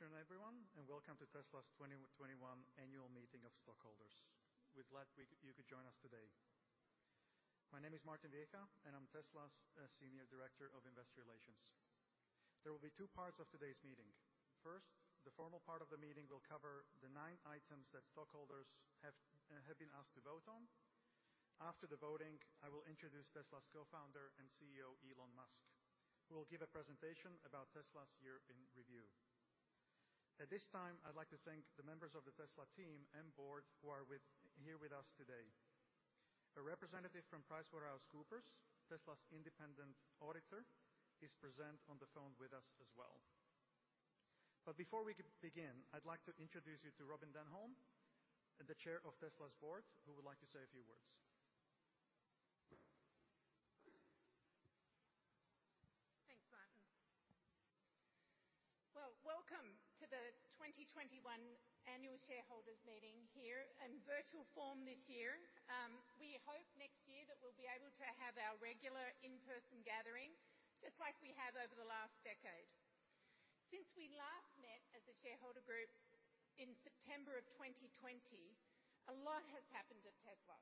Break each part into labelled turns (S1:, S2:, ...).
S1: Good afternoon, everyone, and welcome to Tesla's 2021 Annual Meeting of Stockholders. We're glad you could join us today. My name is Martin Viecha, and I'm Tesla's Senior Director of Investor Relations. There will be two parts of today's meeting. First, the formal part of the meeting will cover the nine items that stockholders have been asked to vote on. After the voting, I will introduce Tesla's Co-founder and CEO, Elon Musk, who will give a presentation about Tesla's year in review. At this time, I'd like to thank the members of the Tesla team and board who are here with us today. A representative from PricewaterhouseCoopers, Tesla's independent auditor, is present on the phone with us as well. Before we could begin, I'd like to introduce you to Robyn Denholm, the Chair of Tesla's board, who would like to say a few words.
S2: Thanks, Martin. Well, welcome to the 2021 annual shareholders meeting here in virtual form this year. We hope next year that we'll be able to have our regular in-person gathering, just like we have over the last decade. Since we last met as a shareholder group in September of 2020, a lot has happened at Tesla.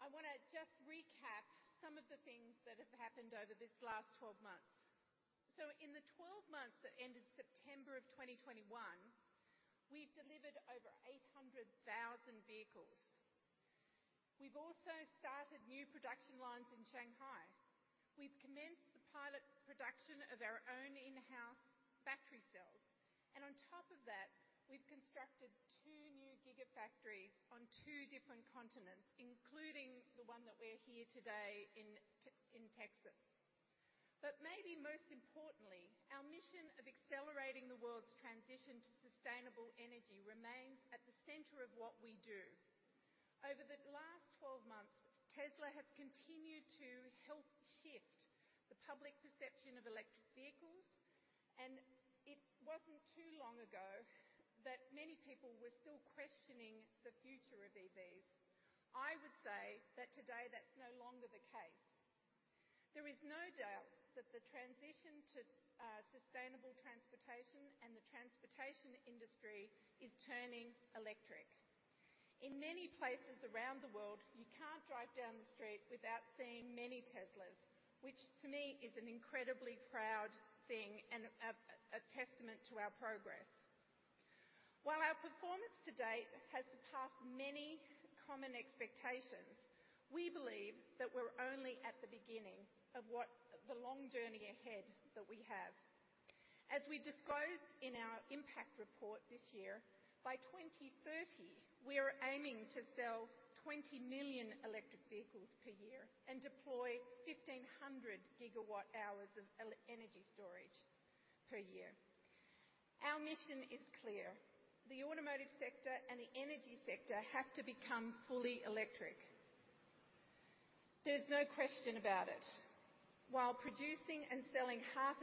S2: I want to just recap some of the things that have happened over this last 12 months. In the 12 months that ended September of 2021, we've delivered over 800,000 vehicles. We've also started new production lines in Shanghai. We've commenced the pilot production of our own in-house battery cells. On top of that, we've constructed two new Gigafactories on two different continents, including the one that we're here today in Texas. Maybe most importantly, our mission of accelerating the world's transition to sustainable energy remains at the center of what we do. Over the last 12 months, Tesla has continued to help shift the public perception of electric vehicles, and it wasn't too long ago that many people were still questioning the future of EVs. I would say that today that's no longer the case. There is no doubt that the transition to sustainable transportation and the transportation industry is turning electric. In many places around the world, you can't drive down the street without seeing many Teslas, which to me is an incredibly proud thing and a testament to our progress. While our performance to date has surpassed many common expectations, we believe that we're only at the beginning of the long journey ahead that we have. As we disclosed in our impact report this year, by 2030, we are aiming to sell 20 million electric vehicles per year and deploy 1,500 GWh of energy storage per year. Our mission is clear. The automotive sector and the energy sector have to become fully electric. There's no question about it. While producing and selling 500,000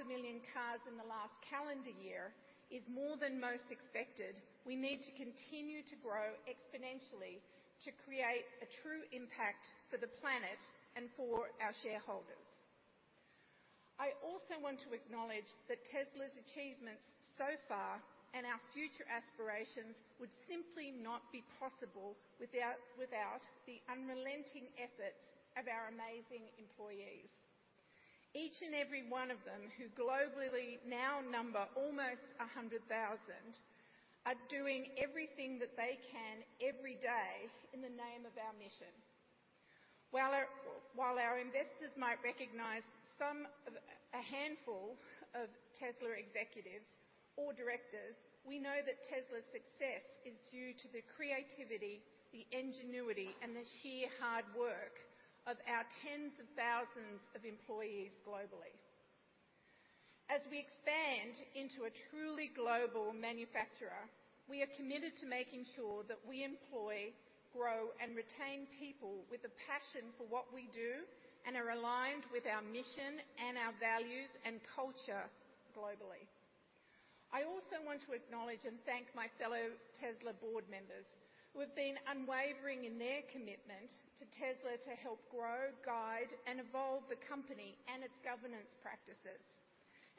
S2: cars in the last calendar year is more than most expected, we need to continue to grow exponentially to create a true impact for the planet and for our shareholders. I also want to acknowledge that Tesla's achievements so far and our future aspirations would simply not be possible without the unrelenting efforts of our amazing employees. Each and every one of them, who globally now number almost 100,000, are doing everything that they can every day in the name of our mission. While our investors might recognize a handful of Tesla executives or directors, we know that Tesla's success is due to the creativity, the ingenuity, and the sheer hard work of our tens of thousands of employees globally. As we expand into a truly global manufacturer, we are committed to making sure that we employ, grow, and retain people with a passion for what we do and are aligned with our mission and our values and culture globally. I also want to acknowledge and thank my fellow Tesla board members who have been unwavering in their commitment to Tesla to help grow, guide, and evolve the company and its governance practices.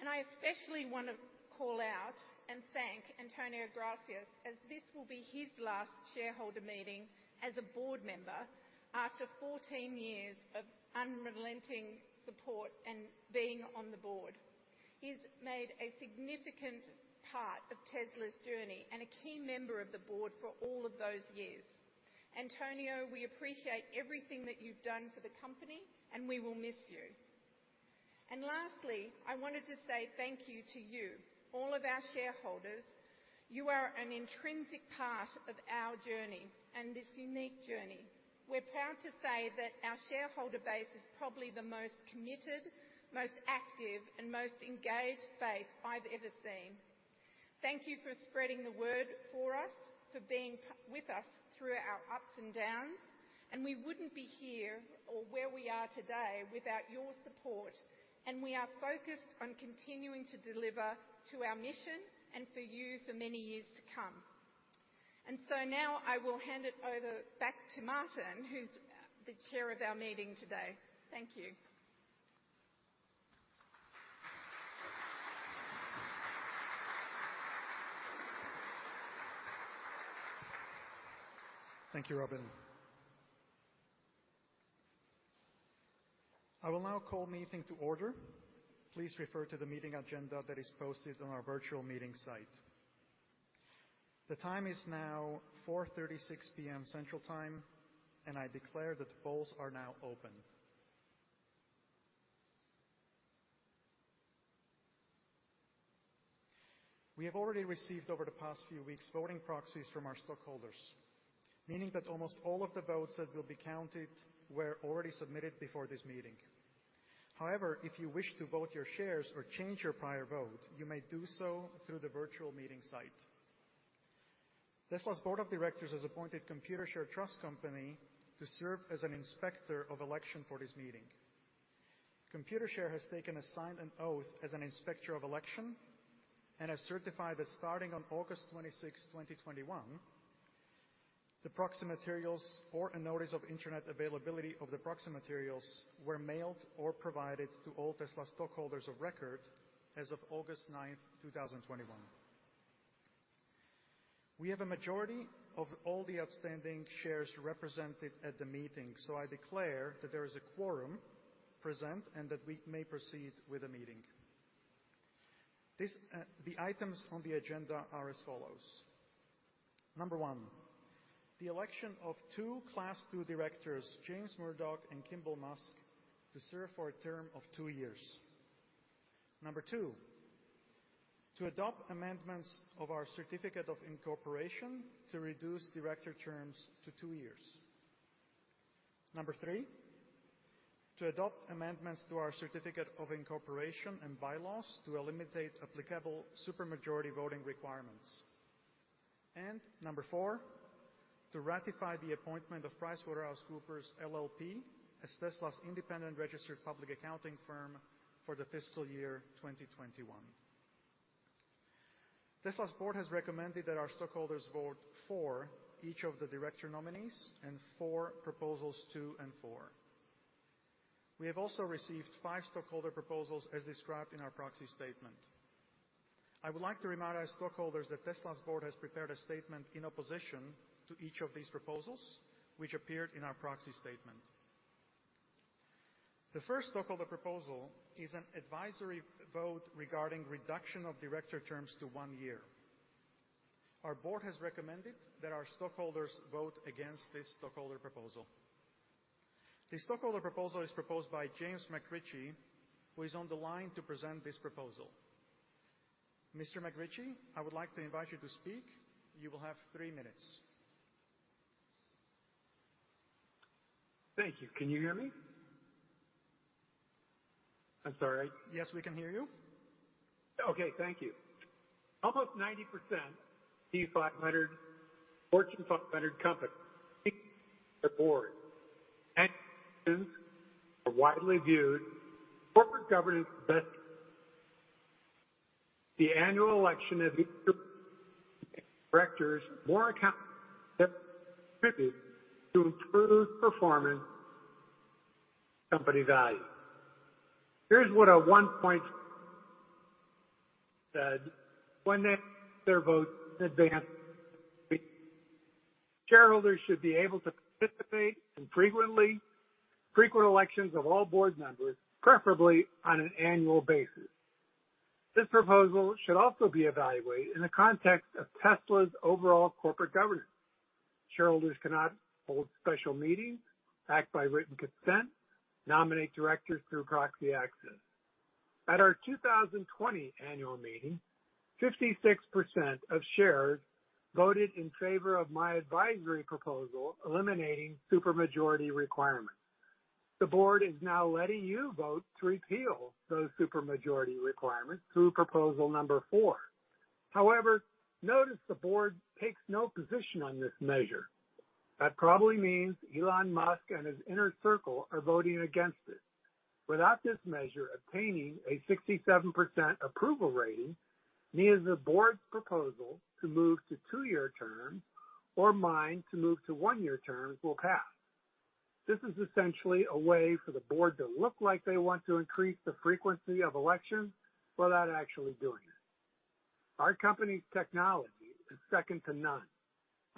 S2: I especially want to call out and thank Antonio Gracias as this will be his last shareholder meeting as a board member after 14 years of unrelenting support and being on the board. He's made a significant part of Tesla's journey and a key member of the board for all of those years. Antonio, we appreciate everything that you've done for the company, and we will miss you. Lastly, I wanted to say thank you to you, all of our shareholders. You are an intrinsic part of our journey and this unique journey. We're proud to say that our shareholder base is probably the most committed, most active, and most engaged base I've ever seen. Thank you for spreading the word for us, for being with us through our ups and downs, and we wouldn't be here or where we are today without your support, and we are focused on continuing to deliver to our mission and for you for many years to come. Now I will hand it over back to Martin, who's the chair of our meeting today. Thank you.
S1: Thank you, Robyn. I will now call the meeting to order. Please refer to the meeting agenda that is posted on our virtual meeting site. The time is now 4:36 P.M. Central Time, and I declare that the polls are now open. We have already received, over the past few weeks, voting proxies from our stockholders, meaning that almost all of the votes that will be counted were already submitted before this meeting. However, if you wish to vote your shares or change your prior vote, you may do so through the virtual meeting site. Tesla's Board of Directors has appointed Computershare Trust Company to serve as an inspector of election for this meeting. Computershare has taken a signed an oath as an inspector of election and has certified that starting on August 26, 2021, the proxy materials or a notice of internet availability of the proxy materials were mailed or provided to all Tesla stockholders of record as of August 9, 2021. I declare that there is a quorum present and that we may proceed with the meeting. The items on the agenda are as follows. Number one, the election of two Class 2 directors, James Murdoch and Kimbal Musk, to serve for a term of two years. Number two, to adopt amendments of our certificate of incorporation to reduce director terms to two years. Number three, to adopt amendments to our certificate of incorporation and bylaws to eliminate applicable super majority voting requirements. Number four, to ratify the appointment of PricewaterhouseCoopers LLP as Tesla's independent registered public accounting firm for the fiscal year 2021. Tesla's board has recommended that our stockholders vote for each of the director nominees and for proposals two and four. We have also received five stockholder proposals as described in our proxy statement. I would like to remind our stockholders that Tesla's board has prepared a statement in opposition to each of these proposals, which appeared in our proxy statement. The first stockholder proposal is an advisory vote regarding reduction of director terms to one year. Our board has recommended that our stockholders vote against this stockholder proposal. The stockholder proposal is proposed by James McRitchie, who is on the line to present this proposal. Mr. McRitchie, I would like to invite you to speak. You will have three minutes.
S3: Thank you. Can you hear me? I'm sorry.
S1: Yes, we can hear you.
S3: Okay. Thank you. Almost 90% of the Fortune 500 companies the board. are widely viewed corporate governance best. The annual election of directors more account to improve performance company value. Here's what a one point said when they their votes in advance. Shareholders should be able to participate in frequent elections of all board members, preferably on an annual basis. This proposal should also be evaluated in the context of Tesla's overall corporate governance. Shareholders cannot hold special meetings, act by written consent, nominate directors through proxy access. At our 2020 annual meeting, 56% of shares voted in favor of my advisory proposal eliminating super majority requirements. The board is now letting you vote to repeal those super majority requirements through proposal number four. Notice the board takes no position on this measure. That probably means Elon Musk and his inner circle are voting against it. Without this measure obtaining a 67% approval rating, neither the board's proposal to move to two-year terms or mine to move to one-year terms will pass. This is essentially a way for the board to look like they want to increase the frequency of elections without actually doing it. Our company's technology is second to none.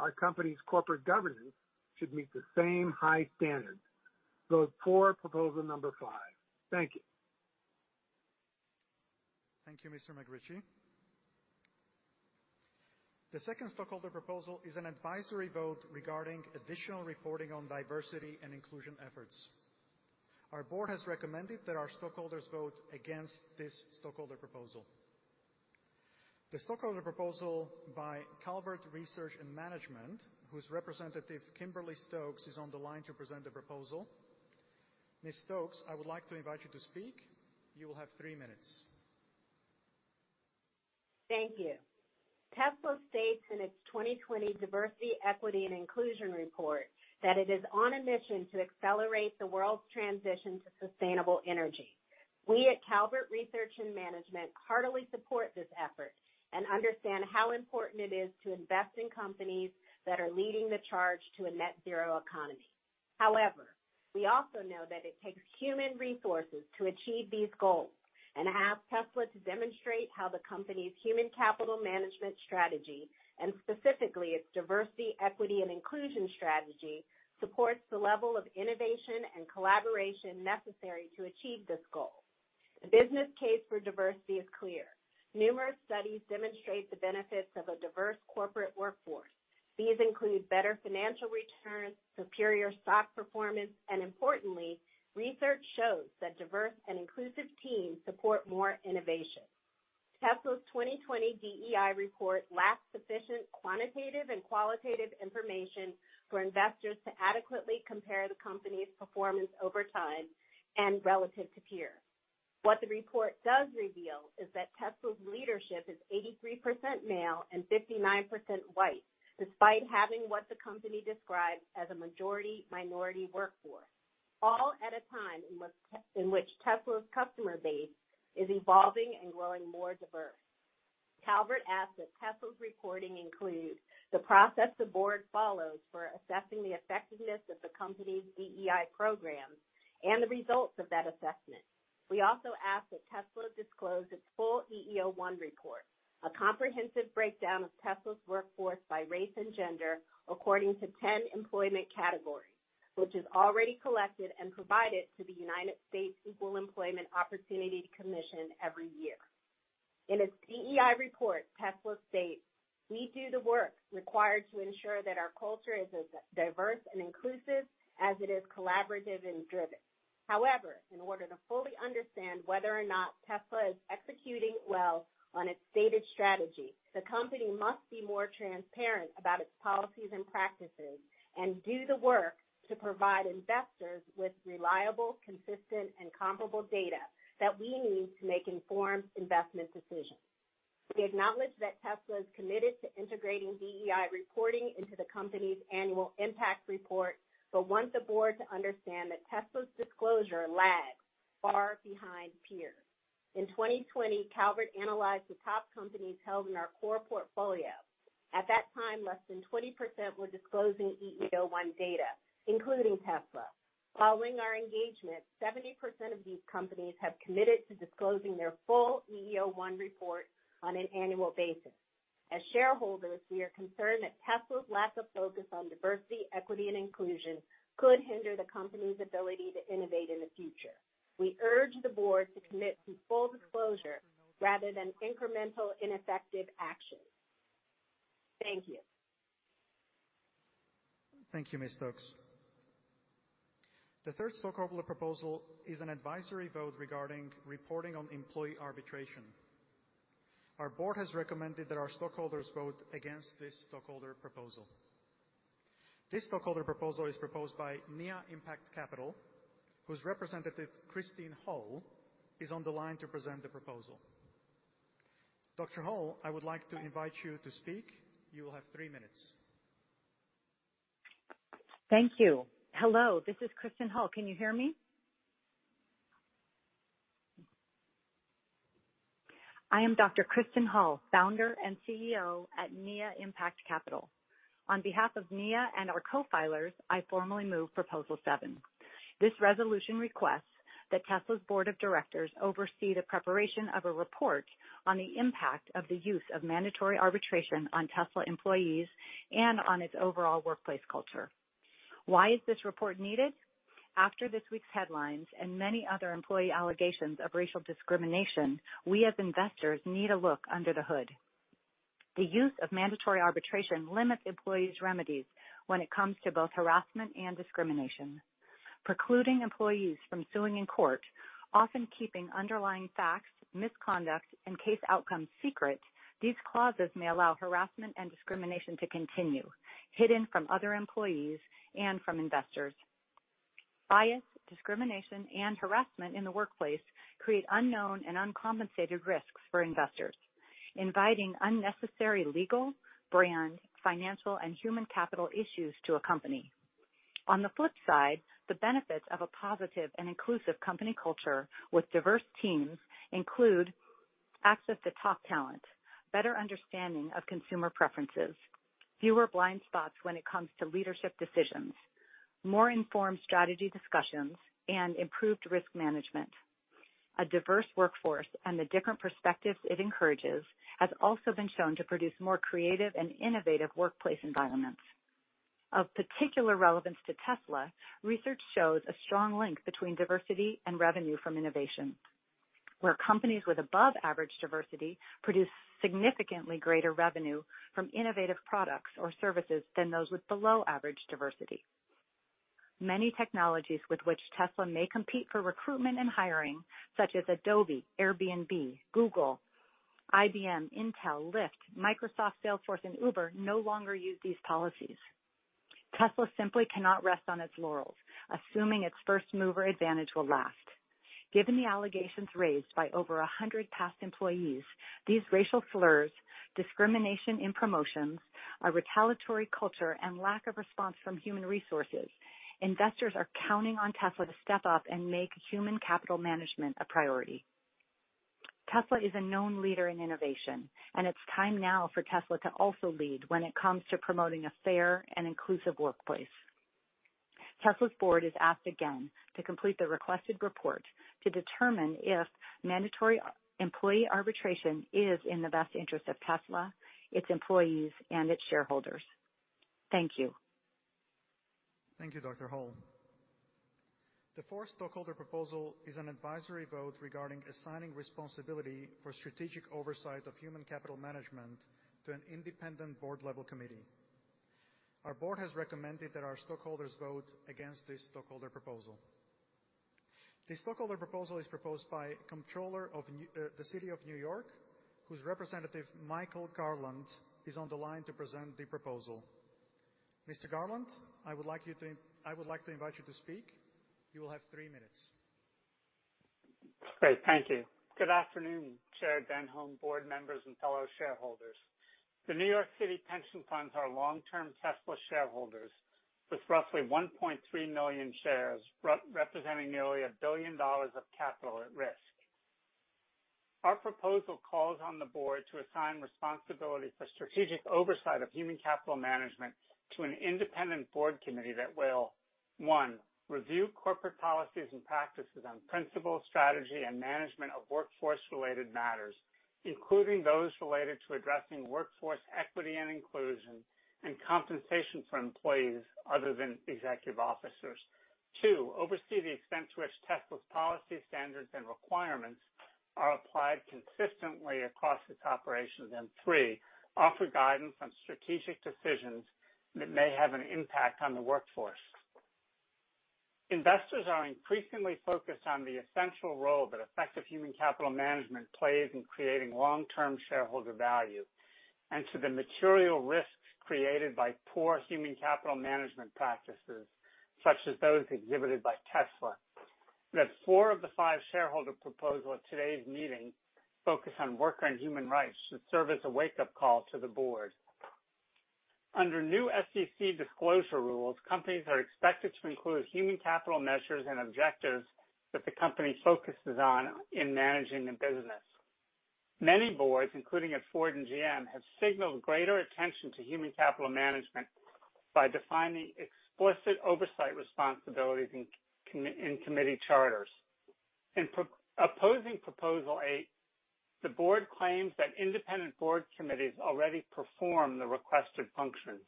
S3: Our company's corporate governance should meet the same high standards. Vote for proposal number five. Thank you.
S1: Thank you, Mr. McRitchie. The second stockholder proposal is an advisory vote regarding additional reporting on diversity and inclusion efforts. Our board has recommended that our stockholders vote against this stockholder proposal. The stockholder proposal by Calvert Research and Management, whose representative, Kimberly Stokes, is on the line to present the proposal. Ms. Stokes, I would like to invite you to speak. You will have three minutes.
S4: Thank you. Tesla states in its 2020 Diversity, Equity, and Inclusion report that it is on a mission to accelerate the world's transition to sustainable energy. We at Calvert Research and Management heartily support this effort and understand how important it is to invest in companies that are leading the charge to a net zero economy. However, we also know that it takes human resources to achieve these goals, and ask Tesla to demonstrate how the company's human capital management strategy, and specifically its Diversity, Equity, and Inclusion strategy, supports the level of innovation and collaboration necessary to achieve this goal. The business case for diversity is clear. Numerous studies demonstrate the benefits of a diverse corporate workforce. These include better financial returns, superior stock performance, and importantly, research shows that diverse and inclusive teams support more innovation. Tesla's 2020 DEI report lacks sufficient quantitative and qualitative information for investors to adequately compare the company's performance over time and relative to peers. What the report does reveal is that Tesla's leadership is 83% male and 59% white, despite having what the company describes as a majority-minority workforce, all at a time in which Tesla's customer base is evolving and growing more diverse. Calvert asks that Tesla's reporting include the process the board follows for assessing the effectiveness of the company's DEI programs and the results of that assessment. We also ask that Tesla disclose its full EEO-1 report, a comprehensive breakdown of Tesla's workforce by race and gender according to 10 employment categories, which is already collected and provided to the United States Equal Employment Opportunity Commission every year. In its DEI report, Tesla states, "We do the work required to ensure that our culture is as diverse and inclusive as it is collaborative and driven." In order to fully understand whether or not Tesla is executing well on its stated strategy, the company must be more transparent about its policies and practices and do the work to provide investors with reliable, consistent, and comparable data that we need to make informed investment decisions. We acknowledge that Tesla is committed to integrating DEI reporting into the company's annual impact report, but want the board to understand that Tesla's disclosure lags far behind peers. In 2020, Calvert analyzed the top companies held in our core portfolio. At that time, less than 20% were disclosing EEO-1 data, including Tesla. Following our engagement, 70% of these companies have committed to disclosing their full EEO-1 report on an annual basis. As shareholders, we are concerned that Tesla's lack of focus on diversity, equity, and inclusion could hinder the company's ability to innovate in the future. We urge the board to commit to full disclosure rather than incremental, ineffective action. Thank you.
S1: Thank you, Ms. Stokes. The third stockholder proposal is an advisory vote regarding reporting on employee arbitration. Our Board has recommended that our stockholders vote against this stockholder proposal. This stockholder proposal is proposed by Nia Impact Capital, whose representative, Kristin Hull, is on the line to present the proposal. Dr. Hull, I would like to invite you to speak. You will have three minutes.
S5: Thank you. Hello, this is Kristin Hull. Can you hear me? I am Dr. Kristin Hull, founder and CEO at Nia Impact Capital. On behalf of Nia and our co-filers, I formally move proposal seven. This resolution requests that Tesla's board of directors oversee the preparation of a report on the impact of the use of mandatory arbitration on Tesla employees and on its overall workplace culture. Why is this report needed? After this week's headlines and many other employee allegations of racial discrimination, we as investors need to look under the hood. The use of mandatory arbitration limits employees' remedies when it comes to both harassment and discrimination. Precluding employees from suing in court, often keeping underlying facts, misconduct, and case outcomes secret, these clauses may allow harassment and discrimination to continue, hidden from other employees and from investors. Bias, discrimination, and harassment in the workplace create unknown and uncompensated risks for investors, inviting unnecessary legal, brand, financial, and human capital issues to a company. On the flip side, the benefits of a positive and inclusive company culture with diverse teams include access to top talent, better understanding of consumer preferences, fewer blind spots when it comes to leadership decisions, more informed strategy discussions, and improved risk management. A diverse workforce and the different perspectives it encourages has also been shown to produce more creative and innovative workplace environments. Of particular relevance to Tesla, research shows a strong link between diversity and revenue from innovation, where companies with above average diversity produce significantly greater revenue from innovative products or services than those with below average diversity. Many technologies with which Tesla may compete for recruitment and hiring, such as Adobe, Airbnb, Google, IBM, Intel, Lyft, Microsoft, Salesforce, and Uber no longer use these policies. Tesla simply cannot rest on its laurels, assuming its first-mover advantage will last. Given the allegations raised by over 100 past employees, these racial slurs, discrimination in promotions, a retaliatory culture and lack of response from human resources. Investors are counting on Tesla to step up and make human capital management a priority. Tesla is a known leader in innovation, and it's time now for Tesla to also lead when it comes to promoting a fair and inclusive workplace. Tesla's board is asked again to complete the requested report to determine if mandatory employee arbitration is in the best interest of Tesla, its employees, and its shareholders. Thank you.
S1: Thank you, Dr. Hull. The fourth stockholder proposal is an advisory vote regarding assigning responsibility for strategic oversight of human capital management to an independent board-level committee. Our board has recommended that our stockholders vote against this stockholder proposal. This stockholder proposal is proposed by Comptroller of the City of New York, whose representative, Michael Garland, is on the line to present the proposal. Mr. Garland, I would like to invite you to speak. You will have three minutes.
S6: Great. Thank you. Good afternoon, Chair Denholm, board members, and fellow shareholders. The New York City Pension Funds are long-term Tesla shareholders with roughly 1.3 million shares, representing nearly $1 billion of capital at risk. Our proposal calls on the board to assign responsibility for strategic oversight of human capital management to an independent board committee that will, one, review corporate policies and practices on principles, strategy, and management of workforce-related matters, including those related to addressing workforce equity and inclusion and compensation for employees other than executive officers. Two, oversee the extent to which Tesla's policy standards and requirements are applied consistently across its operations. Three, offer guidance on strategic decisions that may have an impact on the workforce. Investors are increasingly focused on the essential role that effective human capital management plays in creating long-term shareholder value, and to the material risks created by poor human capital management practices, such as those exhibited by Tesla. That four of the five shareholder proposals at today's meeting focus on worker and human rights should serve as a wake-up call to the board. Under new SEC disclosure rules, companies are expected to include human capital measures and objectives that the company focuses on in managing the business. Many boards, including at Ford and GM, have signaled greater attention to human capital management by defining explicit oversight responsibilities in committee charters. In opposing Proposal eight, the board claims that independent board committees already perform the requested functions.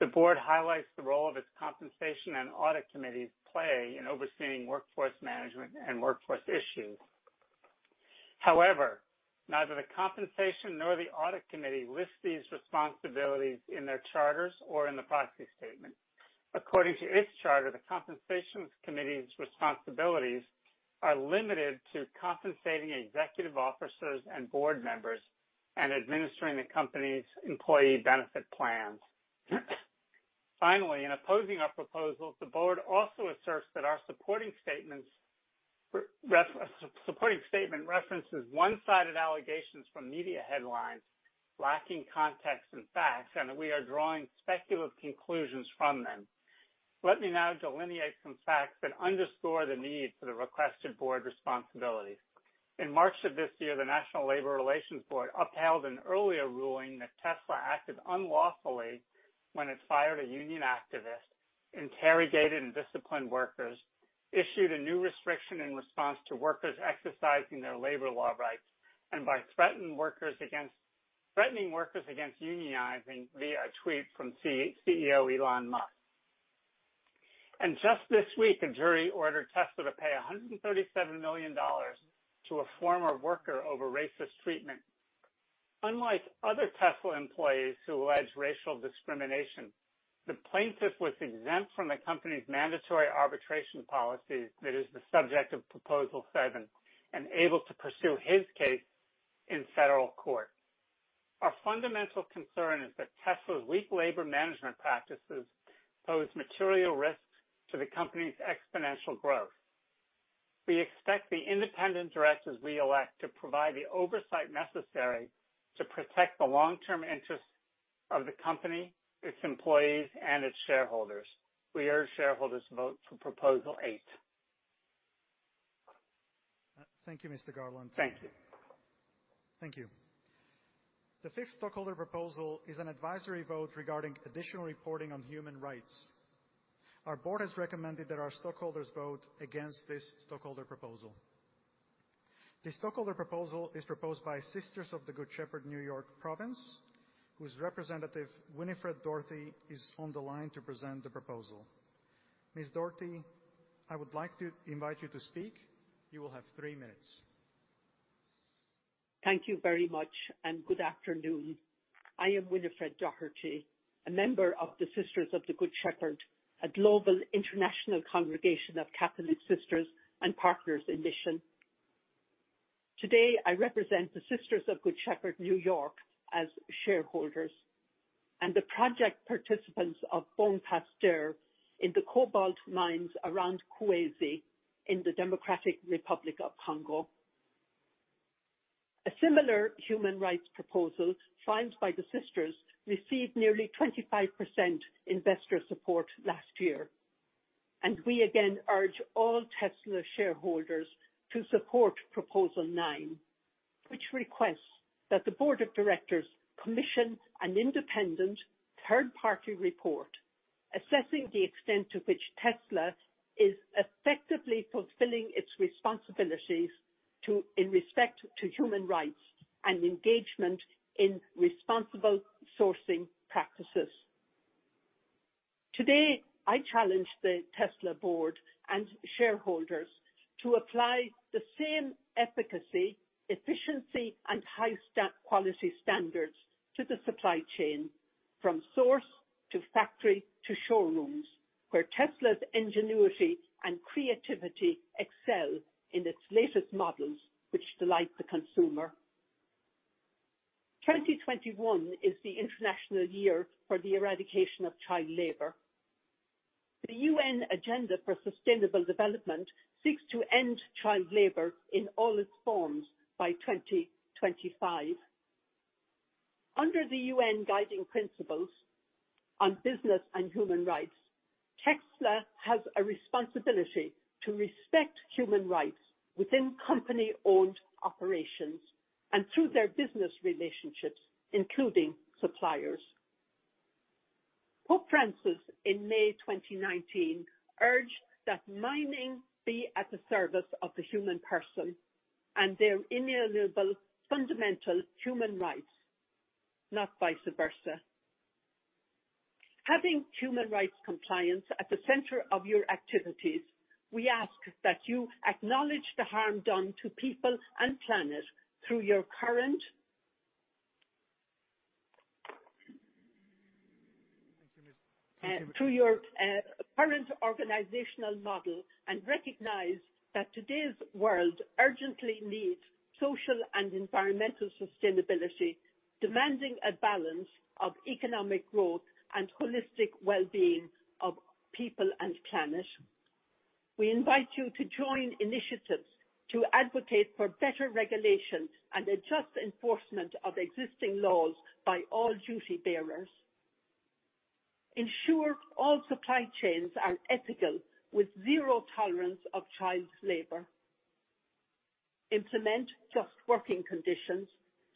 S6: The board highlights the role of its compensation and audit committees play in overseeing workforce management and workforce issues. However, neither the compensation nor the audit committee lists these responsibilities in their charters or in the proxy statement. According to its charter, the compensation committee's responsibilities are limited to compensating executive officers and board members and administering the company's employee benefit plans. Finally, in opposing our proposals, the board also asserts that our supporting statement references one-sided allegations from media headlines lacking context and facts, and that we are drawing speculative conclusions from them. Let me now delineate some facts that underscore the need for the requested board responsibilities. In March of this year, the National Labor Relations Board upheld an earlier ruling that Tesla acted unlawfully when it fired a union activist, interrogated and disciplined workers, issued a new restriction in response to workers exercising their labor law rights, and by threatening workers against unionizing via a tweet from CEO, Elon Musk. Just this week, a jury ordered Tesla to pay $137 million to a former worker over racist treatment. Unlike other Tesla employees who allege racial discrimination, the plaintiff was exempt from the company's mandatory arbitration policy, that is the subject of proposal seven, and able to pursue his case in federal court. Our fundamental concern is that Tesla's weak labor management practices pose material risks to the company's exponential growth. We expect the independent directors we elect to provide the oversight necessary to protect the long-term interests of the company, its employees, and its shareholders. We urge shareholders to vote for proposal eight.
S1: Thank you, Mr. Garland.
S6: Thank you.
S1: Thank you. The fifth stockholder proposal is an advisory vote regarding additional reporting on human rights. Our board has recommended that our stockholders vote against this stockholder proposal. This stockholder proposal is proposed by Sisters of the Good Shepherd, New York Province, whose representative, Winifred Doherty, is on the line to present the proposal. Ms. Doherty, I would like to invite you to speak. You will have three minutes.
S7: Thank you very much, and good afternoon. I am Winifred Doherty, a member of the Sisters of the Good Shepherd, a global international congregation of Catholic sisters and partners in mission. Today, I represent the Sisters of the Good Shepherd, New York Province, as shareholders, and the project participants of Bon Pasteur in the cobalt mines around Kolwezi in the Democratic Republic of Congo. A similar human rights proposal filed by the sisters received nearly 25% investor support last year. We again urge all Tesla shareholders to support proposal nine, which requests that the board of directors commission an independent third-party report assessing the extent to which Tesla is effectively fulfilling its responsibilities in respect to human rights and engagement in responsible sourcing practices. Today, I challenge the Tesla board and shareholders to apply the same efficacy, efficiency, and high quality standards to the supply chain, from source to factory to showrooms, where Tesla's ingenuity and creativity excel in its latest models, which delight the consumer. 2021 is the international year for the eradication of child labor. The UN agenda for sustainable development seeks to end child labor in all its forms by 2025. Under the UN guiding principles on business and human rights, Tesla has a responsibility to respect human rights within company-owned operations and through their business relationships, including suppliers. Pope Francis, in May 2019, urged that mining be at the service of the human person and their inalienable fundamental human rights, not vice versa. Having human rights compliance at the center of your activities, we ask that you acknowledge the harm done to people and planet through your current organizational model and recognize that today's world urgently needs social and environmental sustainability, demanding a balance of economic growth and holistic wellbeing of people and planet. We invite you to join initiatives to advocate for better regulation and a just enforcement of existing laws by all duty bearers. Ensure all supply chains are ethical with zero tolerance of child labor. Implement just working conditions,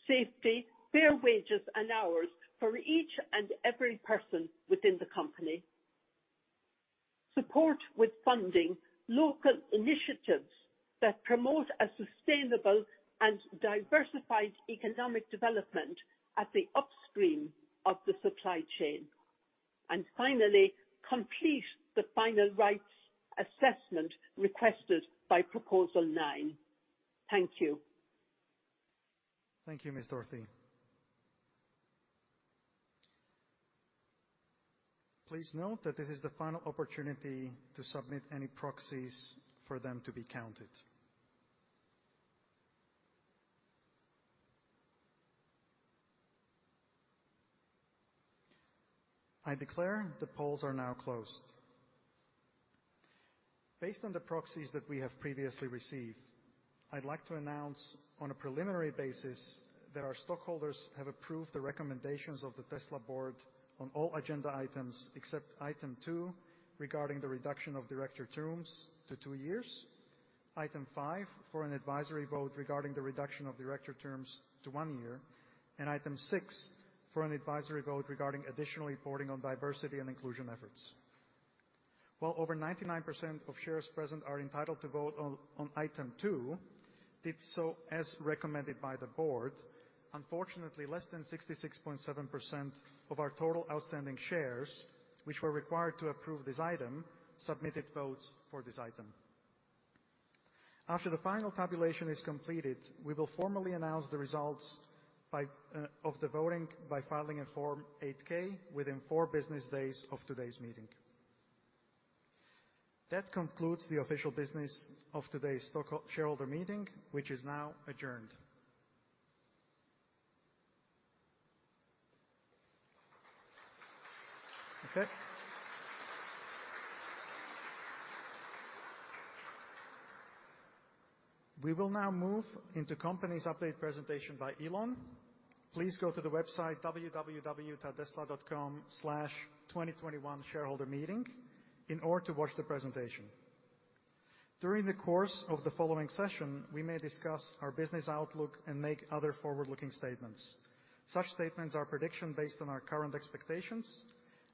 S7: safety, fair wages, and hours for each and every person within the company. Support with funding local initiatives that promote a sustainable and diversified economic development at the upstream of the supply chain. Finally, complete the final rights assessment requested by proposal nine. Thank you.
S1: Thank you, Ms. Dorerty. Please note that this is the final opportunity to submit any proxies for them to be counted. I declare the polls are now closed. Based on the proxies that we have previously received, I'd like to announce on a preliminary basis that our stockholders have approved the recommendations of the Tesla Board on all agenda items except item two regarding the reduction of director terms to two years, item five for an advisory vote regarding the reduction of director terms to one year, and item six for an advisory vote regarding additional reporting on diversity and inclusion efforts. While over 99% of shares present are entitled to vote on item two did so as recommended by the Board, unfortunately, less than 66.7% of our total outstanding shares, which were required to approve this item, submitted votes for this item. After the final tabulation is completed, we will formally announce the results of the voting by filing a Form 8-K within four business days of today's meeting. That concludes the official business of today's shareholder meeting, which is now adjourned. Okay. We will now move into company's update presentation by Elon. Please go to the website www.tesla.com/2021shareholdermeeting in order to watch the presentation. During the course of the following session, we may discuss our business outlook and make other forward-looking statements. Such statements are prediction based on our current expectations.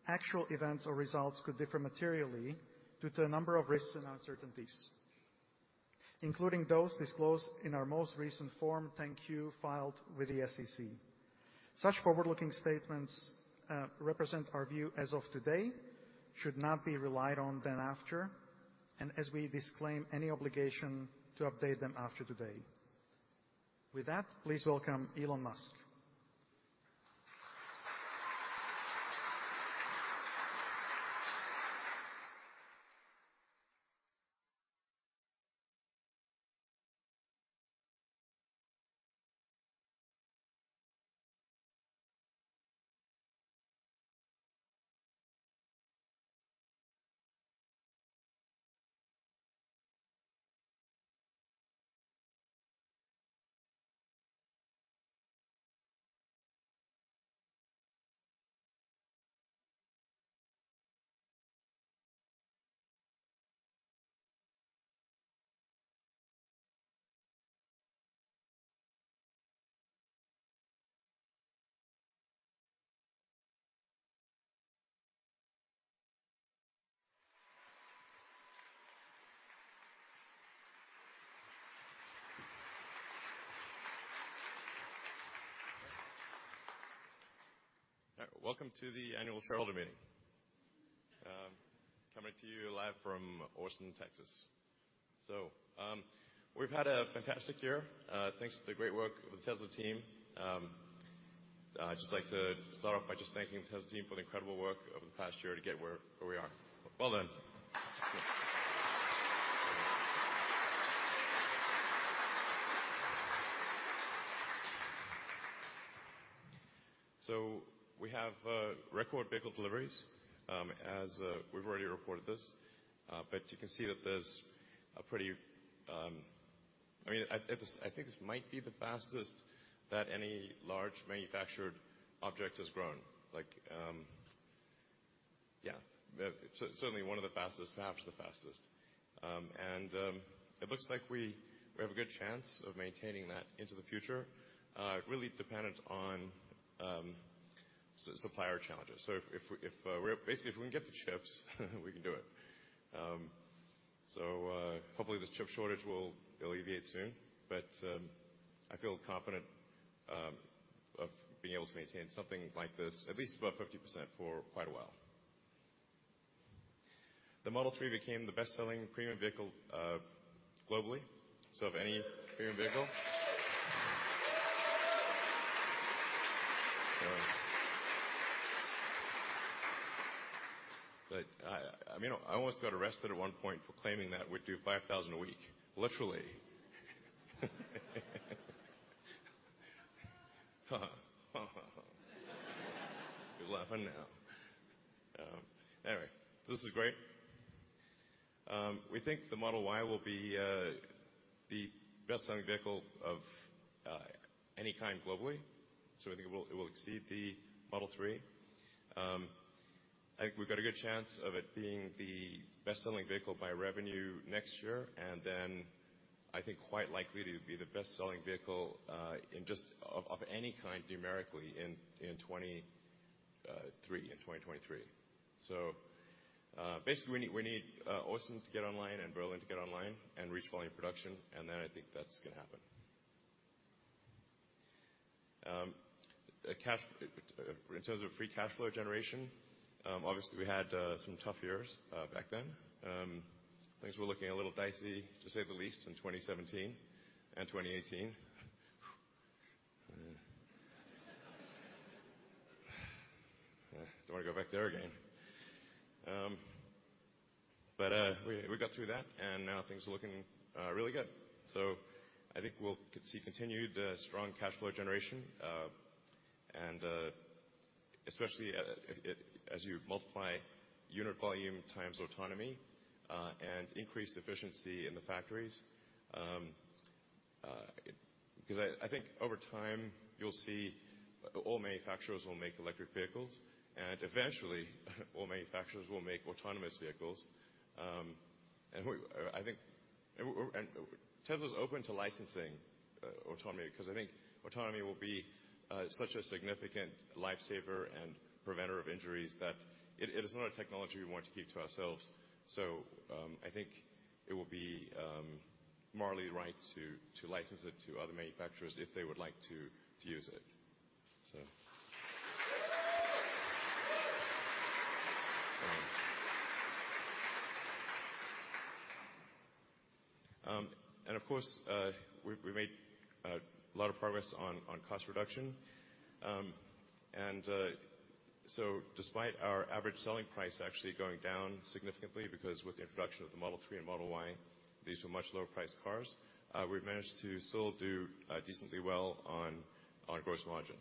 S1: Actual events or results could differ materially due to a number of risks and uncertainties, including those disclosed in our most recent Form 10-Q filed with the SEC. Such forward-looking statements represent our view as of today, should not be relied on thereafter. As we disclaim any obligation to update them after today. With that, please welcome Elon Musk.
S8: Welcome to the annual shareholder meeting. Coming to you live from Austin, Texas. We've had a fantastic year thanks to the great work of the Tesla team. I'd just like to start off by just thanking the Tesla team for the incredible work over the past year to get where we are. Well done. We have record vehicle deliveries, as we've already reported this. You can see that there's a pretty I think this might be the fastest that any large manufactured object has grown. Certainly one of the fastest, perhaps the fastest. It looks like we have a good chance of maintaining that into the future, really dependent on supplier challenges. Basically, if we can get the chips, we can do it. Hopefully this chip shortage will alleviate soon. I feel confident of being able to maintain something like this at least above 50% for quite a while. The Model 3 became the best-selling premium vehicle, globally. Of any premium vehicle. I almost got arrested at one point for claiming that we'd do 5,000 a week, literally. You're laughing now. This is great. We think the Model Y will be the best-selling vehicle of any kind globally. We think it will exceed the Model 3. I think we've got a good chance of it being the best-selling vehicle by revenue next year, and then I think quite likely to be the best-selling vehicle of any kind numerically in 2023. Basically, we need Austin to get online and Berlin to get online and reach volume production, and then I think that's going to happen. In terms of free cash flow generation, obviously, we had some tough years back then. Things were looking a little dicey, to say the least, in 2017 and 2018. Don't want to go back there again. We got through that, now things are looking really good. I think we'll see continued strong cash flow generation, especially as you multiply unit volume times autonomy, increased efficiency in the factories. I think over time, you'll see all manufacturers will make electric vehicles, eventually, all manufacturers will make autonomous vehicles. Tesla's open to licensing autonomy, I think autonomy will be such a significant lifesaver and preventer of injuries that it is not a technology we want to keep to ourselves. I think it would be morally right to license it to other manufacturers if they would like to use it. Of course, we made a lot of progress on cost reduction. Despite our average selling price actually going down significantly, because with the introduction of the Model 3 and Model Y, these were much lower priced cars, we've managed to still do decently well on gross margin.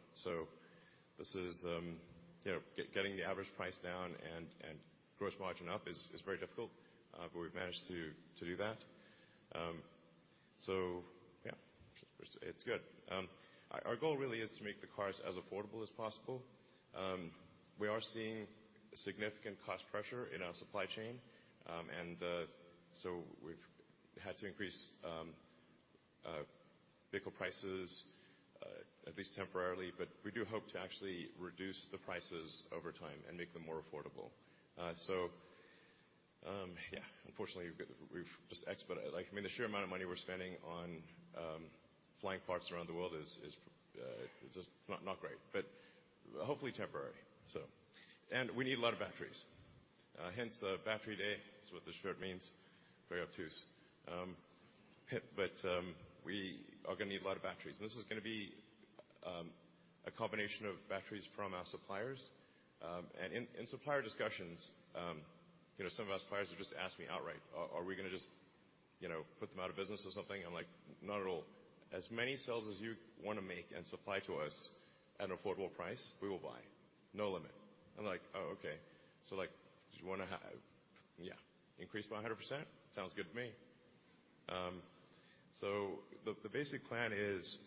S8: Getting the average price down and gross margin up is very difficult, but we've managed to do that. Yeah, it's good. Our goal really is to make the cars as affordable as possible. We are seeing significant cost pressure in our supply chain. We've had to increase vehicle prices, at least temporarily, but we do hope to actually reduce the prices over time and make them more affordable. Yeah, unfortunately, we've just expedite The sheer amount of money we're spending on flying parts around the world is just not great, but hopefully temporary. We need a lot of batteries. Hence, Battery Day. That's what the shirt means, very obtuse. We are going to need a lot of batteries, and this is going to be a combination of batteries from our suppliers. In supplier discussions, some of our suppliers have just asked me outright, 'Are we going to just put them out of business or something?' I'm like, 'Not at all. As many cells as you want to make and supply to us at an affordable price, we will buy. No limit.' I'm like, 'Oh, okay.' Did you want to Yeah, increase by 100%? Sounds good to me. The basic plan is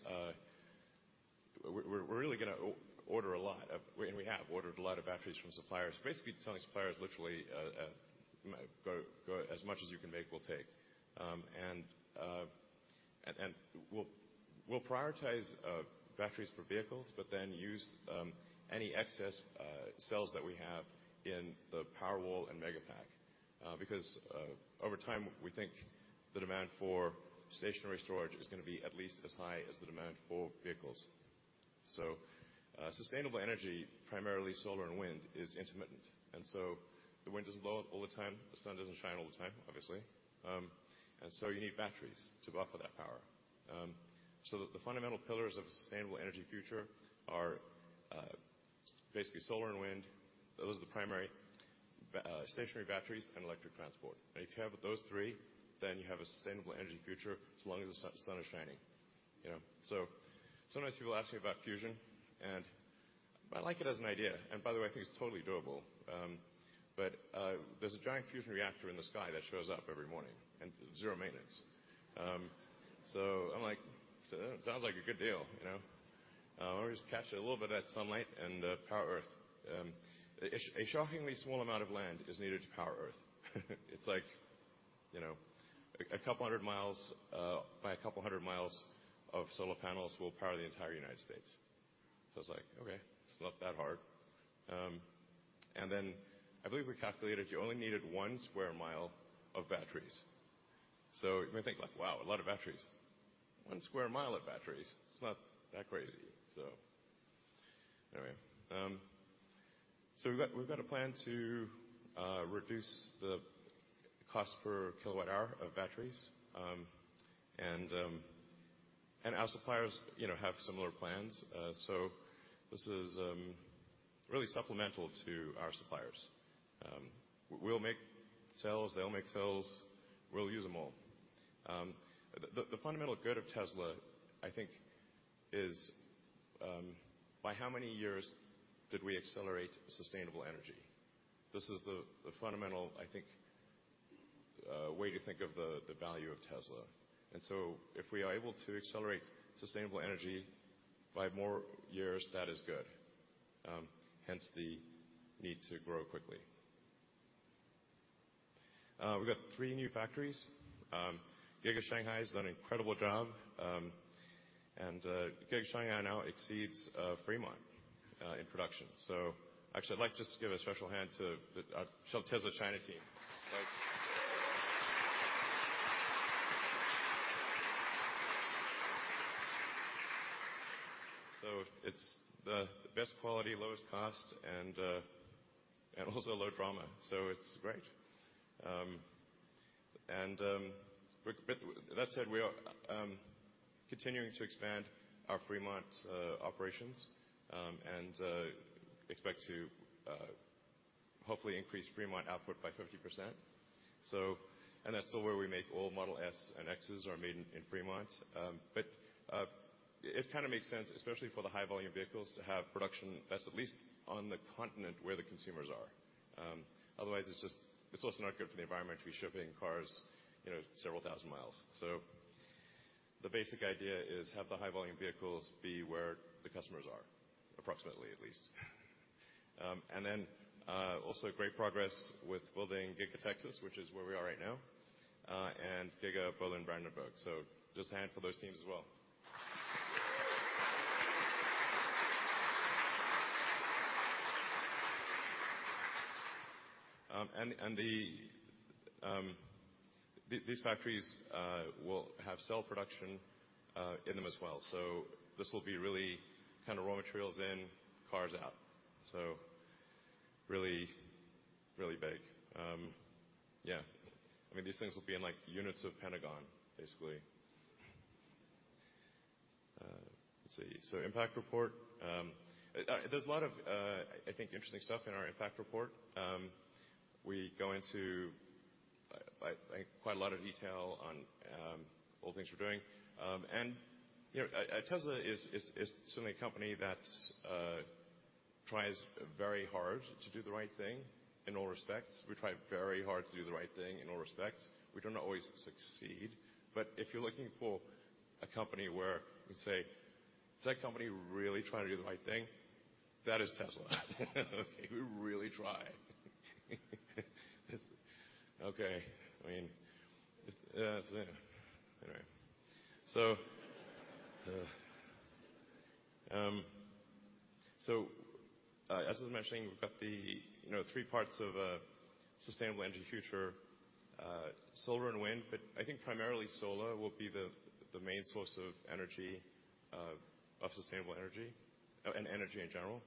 S8: we're really going to order a lot of, and we have ordered a lot of batteries from suppliers. Basically telling suppliers literally, "As much as you can make, we'll take." We'll prioritize batteries for vehicles, but then use any excess cells that we have in the Powerwall and Megapack. Because over time, we think the demand for stationary storage is going to be at least as high as the demand for vehicles. Sustainable energy, primarily solar and wind, is intermittent, and so the wind doesn't blow all the time, the sun doesn't shine all the time, obviously. You need batteries to buffer that power. The fundamental pillars of a sustainable energy future are basically solar and wind. Those are the primary stationary batteries and electric transport. If you have those three, then you have a sustainable energy future as long as the sun is shining. Sometimes people ask me about fusion, and I like it as an idea. By the way, I think it's totally doable. There's a giant fusion reactor in the sky that shows up every morning and zero maintenance. I'm like, "Sounds like a good deal." We just capture a little bit of that sunlight and power Earth. A shockingly small amount of land is needed to power Earth. It's like a couple hundred miles by a couple hundred miles of solar panels will power the entire United States. It's like, okay, it's not that hard. Then I believe we calculated you only needed one square mile of batteries. You may think, like, "Wow, a lot of batteries." One square mile of batteries. It's not that crazy. Anyway. We've got a plan to reduce the cost per kilowatt hour of batteries, and our suppliers have similar plans. This is really supplemental to our suppliers. We'll make cells, they'll make cells, we'll use them all. The fundamental good of Tesla, I think, is by how many years did we accelerate sustainable energy? This is the fundamental, I think, way to think of the value of Tesla. If we are able to accelerate sustainable energy by more years, that is good. Hence the need to grow quickly. We've got three new factories. Giga Shanghai has done an incredible job. Giga Shanghai now exceeds Fremont in production. Actually, I'd like just to give a special hand to the Tesla China team. It's the best quality, lowest cost, and also low drama, so it's great. That said, we are continuing to expand our Fremont operations, and expect to hopefully increase Fremont output by 50%. That's still where we make all Model S and Model X's are made in Fremont. It kind of makes sense, especially for the high-volume vehicles, to have production that's at least on the continent where the consumers are. Otherwise, it's also not good for the environment to be shipping cars several thousand miles. The basic idea is have the high-volume vehicles be where the customers are, approximately at least. Also great progress with building Giga Texas, which is where we are right now, and Giga Berlin-Brandenburg. Just a hand for those teams as well. These factories will have cell production in them as well. This will be really kind of raw materials in, cars out. Really, really big. I mean, these things will be in units of Pentagon, basically. Let's see. Impact report. There's a lot of, I think, interesting stuff in our impact report. We go into quite a lot of detail on all the things we're doing. Tesla is certainly a company that tries very hard to do the right thing in all respects. We try very hard to do the right thing in all respects. We don't always succeed. If you're looking for a company where you say, "Is that company really trying to do the right thing?" That is Tesla. We really try. Okay. I mean, anyway. As I was mentioning, we've got the three parts of a sustainable energy future, solar and wind, but I think primarily solar will be the main source of sustainable energy and energy in general.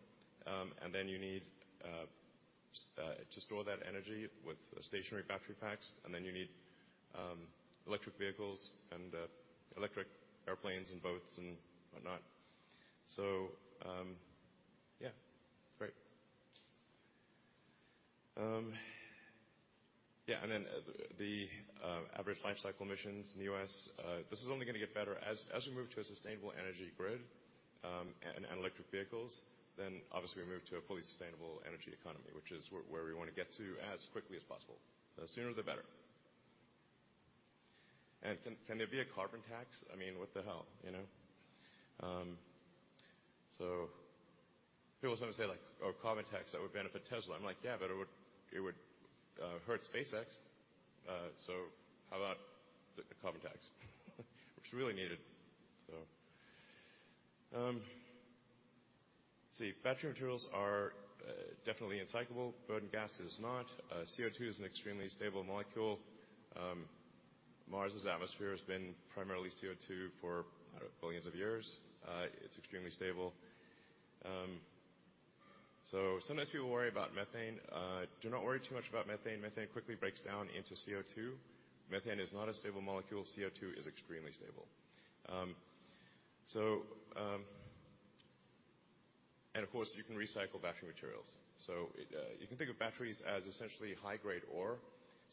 S8: You need to store that energy with stationary battery packs, and then you need electric vehicles and electric airplanes and boats and whatnot. Yeah. Great. Yeah. The average life cycle emissions in the U.S., this is only going to get better as we move to a sustainable energy grid and electric vehicles, then obviously we move to a fully sustainable energy economy, which is where we want to get to as quickly as possible. The sooner the better. Can there be a carbon tax? I mean, what the hell. People sometimes say like, "Oh, a carbon tax that would benefit Tesla." I'm like, "Yeah, but it would hurt SpaceX." How about the carbon tax? Which is really needed. Let's see. Battery materials are definitely recyclable, burned gas is not. CO2 is an extremely stable molecule. Mars' atmosphere has been primarily CO2 for, I don't know, billions of years. It's extremely stable. Sometimes people worry about methane. Do not worry too much about methane. Methane quickly breaks down into CO2. Methane is not a stable molecule. CO2 is extremely stable. Of course, you can recycle battery materials. You can think of batteries as essentially high-grade ore.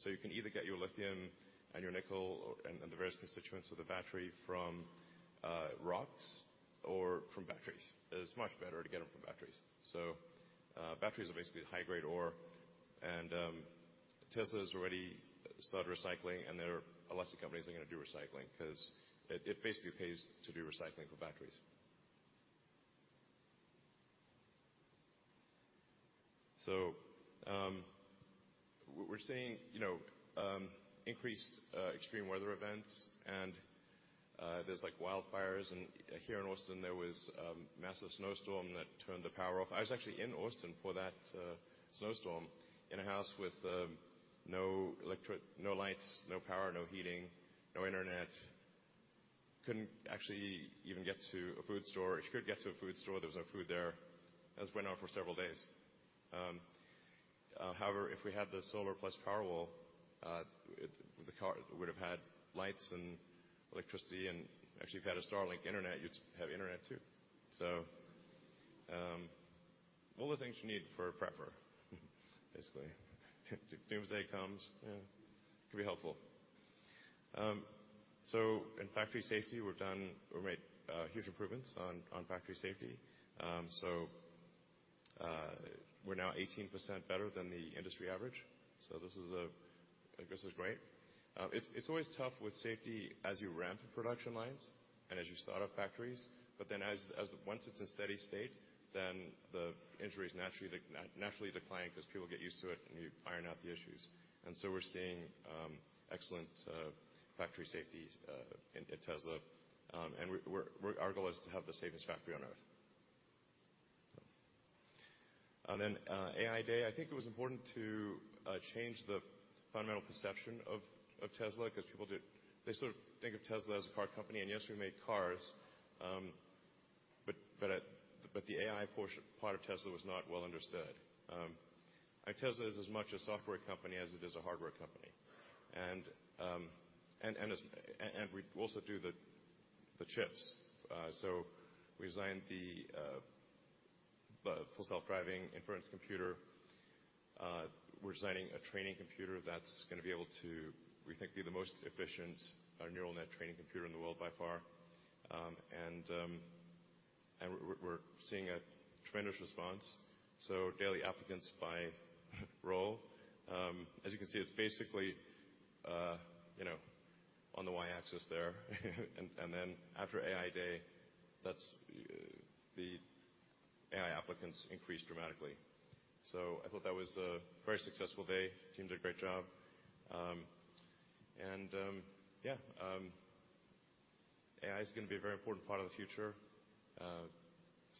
S8: You can either get your lithium and your nickel and the various constituents of the battery from rocks or from batteries. It is much better to get them from batteries. Batteries are basically high-grade ore and Tesla's already started recycling and there are lots of companies that are going to do recycling because it basically pays to do recycling for batteries. We're seeing increased extreme weather events and there's wildfires and here in Austin there was a massive snowstorm that turned the power off. I was actually in Austin for that snowstorm in a house with no lights, no power, no heating, no internet, couldn't actually even get to a food store. If you could get to a food store, there was no food there. This went on for several days. If we had the solar plus Powerwall, the car would've had lights and electricity and actually if you had a Starlink internet, you'd have internet too. All the things you need for a prepper, basically. Doomsday comes, yeah, it could be helpful. In factory safety, we've made huge improvements on factory safety. We're now 18% better than the industry average. This is great. It's always tough with safety as you ramp production lines and as you start up factories. Once it's in steady state, then the injuries naturally decline because people get used to it and you iron out the issues. We're seeing excellent factory safety at Tesla. Our goal is to have the safest factory on Earth. AI Day, I think it was important to change the fundamental perception of Tesla because people, they sort of think of Tesla as a car company, and yes, we make cars, but the AI part of Tesla was not well understood. Tesla is as much a software company as it is a hardware company. We also do the chips. We designed the Full Self-Driving inference computer. We're designing a training computer that's going to be able to, we think, be the most efficient neural net training computer in the world by far. We're seeing a tremendous response. Daily applicants by role. As you can see, it's basically on the Y-axis there after AI Day, the AI applicants increased dramatically. I thought that was a very successful day. Team did a great job. Yeah, AI is going to be a very important part of the future.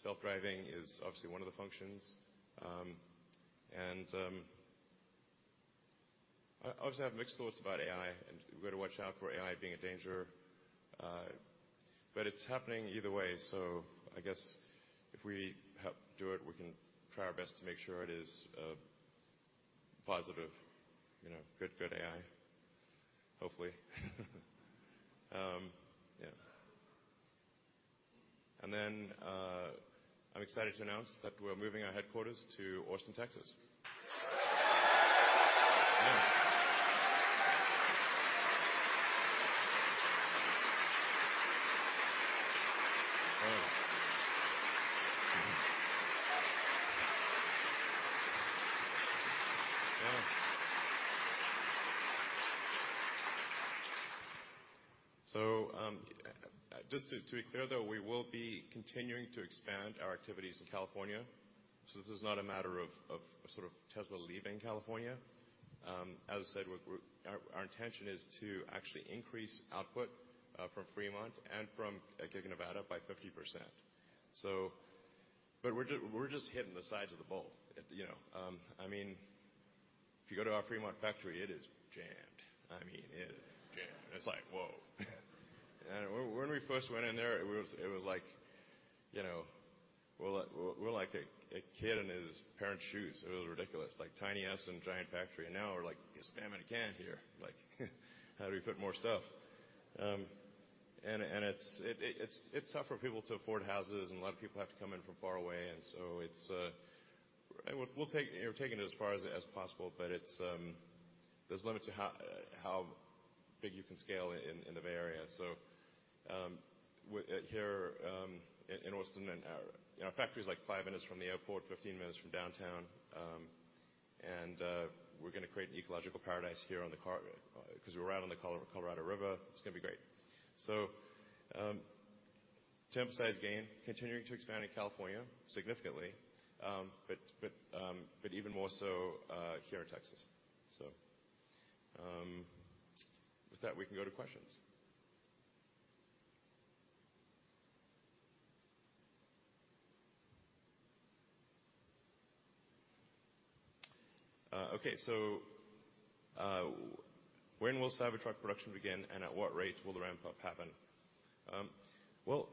S8: Self-driving is obviously one of the functions. I obviously have mixed thoughts about AI, and we've got to watch out for AI being a danger. It's happening either way, I guess if we help do it, we can try our best to make sure it is positive. Good AI, hopefully. I'm excited to announce that we're moving our headquarters to Austin, Texas. Just to be clear, though, we will be continuing to expand our activities in California. This is not a matter of sort of Tesla leaving California. As I said, our intention is to actually increase output from Fremont and from Gigafactory Nevada by 50%. We're just hitting the sides of the boat. If you go to our Fremont factory, it is jammed. I mean, it is jammed. It's like, whoa. When we first went in there, it was like we're like a kid in his parents' shoes. It was ridiculous, like tiny ass in giant factory. Now we're like a spam in a can here. Like how do we fit more stuff? It's tough for people to afford houses, and a lot of people have to come in from far away, and so we're taking it as far as possible, but there's a limit to how big you can scale in the Bay Area. Here in Austin, our factory is 5 minutes from the airport, 15 minutes from downtown. We're going to create an ecological paradise here, because we're right on the Colorado River. It's going to be great. To emphasize gain, continuing to expand in California significantly. Even more so here in Texas. With that, we can go to questions. Okay, when will Cybertruck production begin, and at what rate will the ramp-up happen? Well,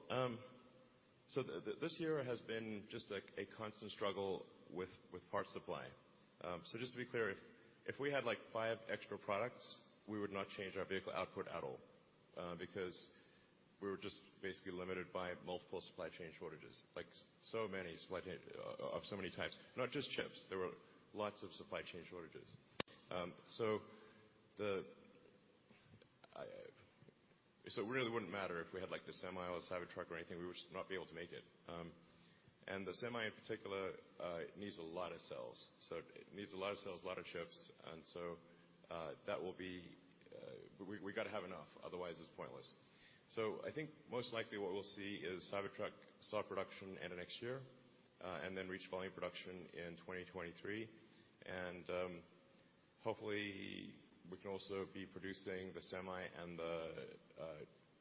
S8: this year has been just a constant struggle with part supply. Just to be clear, if we had five extra products, we would not change our vehicle output at all. Because we were just basically limited by multiple supply chain shortages, of so many types. Not just chips. There were lots of supply chain shortages. It really wouldn't matter if we had the Semi or the Cybertruck or anything, we would just not be able to make it. The Semi, in particular, needs a lot of cells. It needs a lot of cells, a lot of chips, we've got to have enough, otherwise it's pointless. I think most likely what we'll see is Cybertruck start production end of next year, then reach volume production in 2023. Hopefully, we can also be producing the Semi and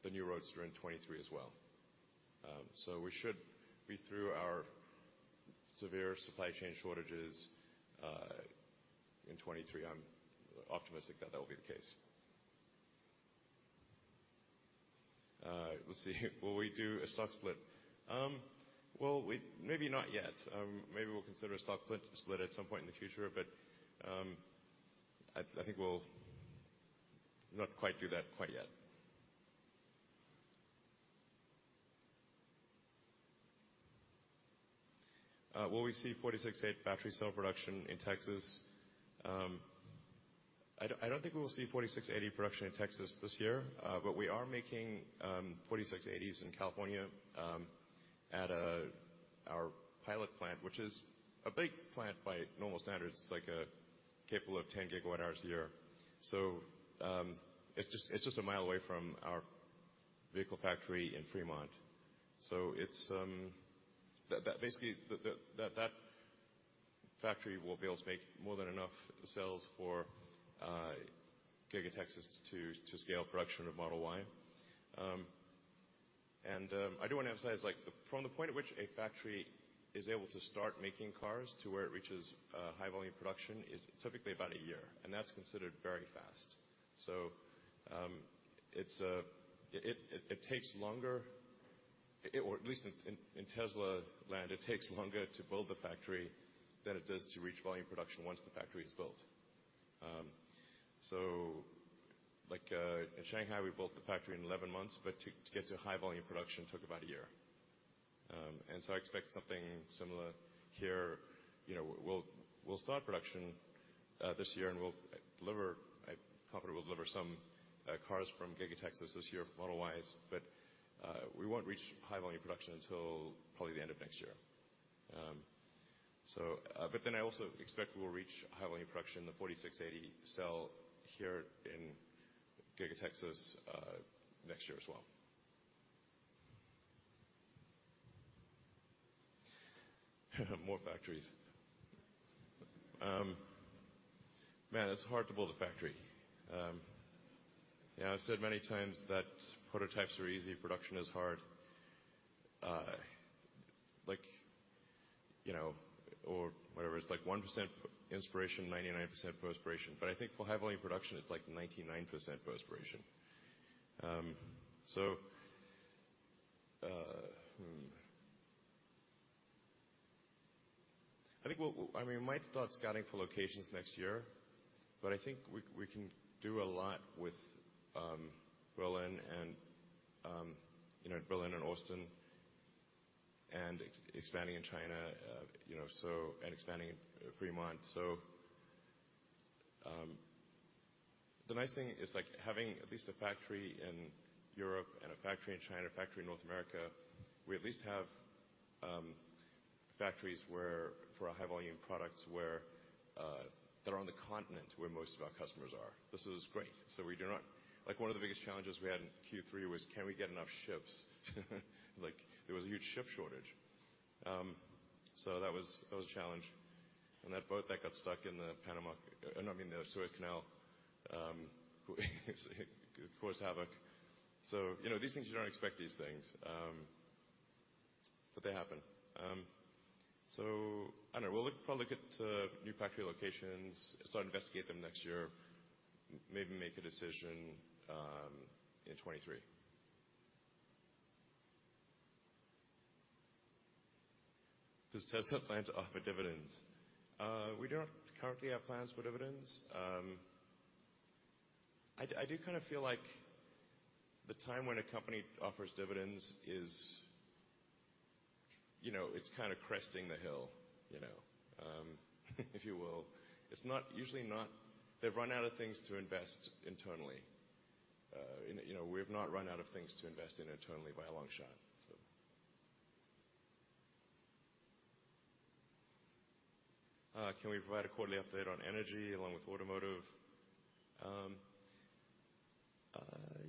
S8: the new Roadster in 2023 as well. We should be through our severe supply chain shortages in 2023. I'm optimistic that that will be the case. Let's see. Will we do a stock split? Well, maybe not yet. Maybe we'll consider a stock split at some point in the future, but I think we'll not do that quite yet. Will we see 4680 factory cell production in Texas? I don't think we will see 4680 production in Texas this year. We are making 4680 cell in California at our pilot plant, which is a big plant by normal standards. It's capable of 10 GWh a year. It's just a mile away from our vehicle factory in Fremont. Basically, that factory will be able to make more than enough cells for Giga Texas to scale production of Model Y. I do want to emphasize, from the point at which a factory is able to start making cars to where it reaches high-volume production is typically about one year, and that's considered very fast. It takes longer, or at least in Tesla land, it takes longer to build the factory than it does to reach volume production once the factory is built. In Shanghai, we built the factory in 11 months, but to get to high-volume production took about one year. I expect something similar here. We'll start production this year, and we'll confidently deliver some cars from Giga Texas this year Model Ys, but we won't reach high-volume production until probably the end of next year. I also expect we will reach high-volume production of the 4680 cell here in Giga Texas next year as well. More factories. Man, it's hard to build a factory. I've said many times that prototypes are easy, production is hard. Whatever, it's 1% inspiration, 99% perspiration. I think for high-volume production, it's 99% perspiration. We might start scouting for locations next year, but I think we can do a lot with Berlin and Austin and expanding in China, and expanding in Fremont. The nice thing is having at least a factory in Europe and a factory in China, a factory in North America, we at least have factories for our high-volume products that are on the continent where most of our customers are. This is great. One of the biggest challenges we had in Q3 was can we get enough ships? There was a huge ship shortage. That was a challenge. That boat that got stuck in the Suez Canal caused havoc. You don't expect these things, but they happen. I don't know. We'll probably look at new factory locations, and start to investigate them next year. Maybe make a decision in 2023. Does Tesla plan to offer dividends? We don't currently have plans for dividends. I do feel like the time when a company offers dividends is, it's cresting the hill, if you will. They've run out of things to invest internally. We've not run out of things to invest in internally by a long shot. "Can we provide a quarterly update on energy along with automotive?"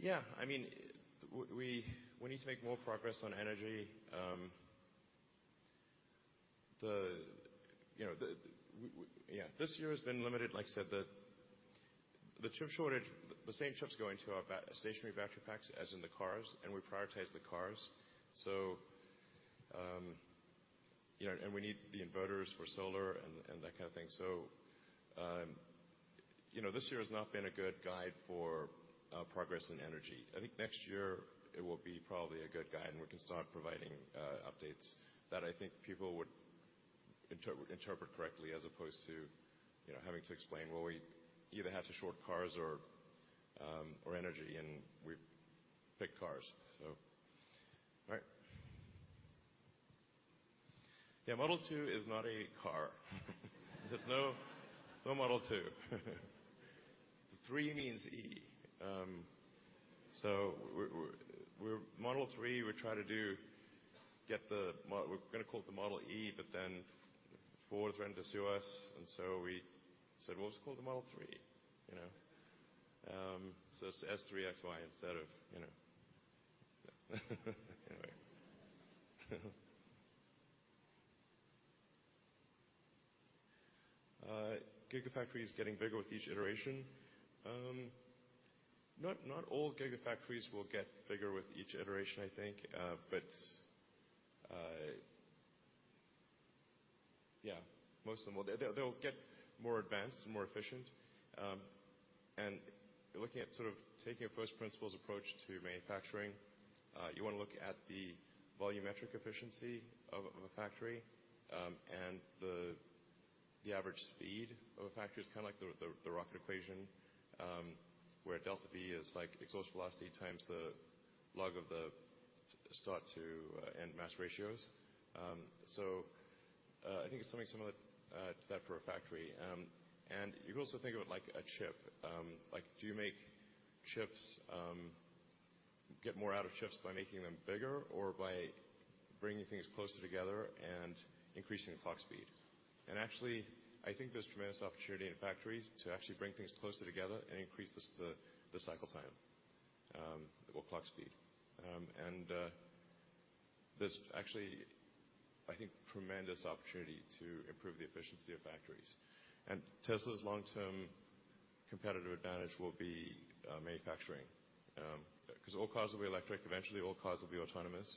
S8: Yeah, we need to make more progress on energy. This year has been limited, like I said, the chip shortage, the same chips going to our stationary battery packs as in the cars, and we prioritize the cars. We need the inverters for solar and that kind of thing. This year has not been a good guide for progress in energy. I think next year it will be probably a good guide, and we can start providing updates that I think people would interpret correctly as opposed to having to explain, well, we either have to short cars or energy, and we pick cars. All right. Yeah, Model 2 is not a car. There's no Model 2. The three means E. Model 3, we were going to call it the Model E, Ford threatened to sue us, we said, "Well, let's call it the Model 3." It's S3XY. "Gigafactory is getting bigger with each iteration." Not all Gigafactories will get bigger with each iteration, I think. Yeah, most of them will. They'll get more advanced and more efficient. Looking at taking a first principles approach to manufacturing, you want to look at the volumetric efficiency of a factory. The average speed of a factory is like the rocket equation, where delta V is exhaust velocity times the log of the start to end mass ratios. I think it's something similar to that for a factory. You could also think of it like a chip. Do you get more out of chips by making them bigger or by bringing things closer together and increasing the clock speed? Actually, I think there's tremendous opportunity in factories to actually bring things closer together and increase the cycle time, or clock speed. There's actually, I think, tremendous opportunity to improve the efficiency of factories. Tesla's long-term competitive advantage will be manufacturing. Because all cars will be electric, eventually all cars will be autonomous.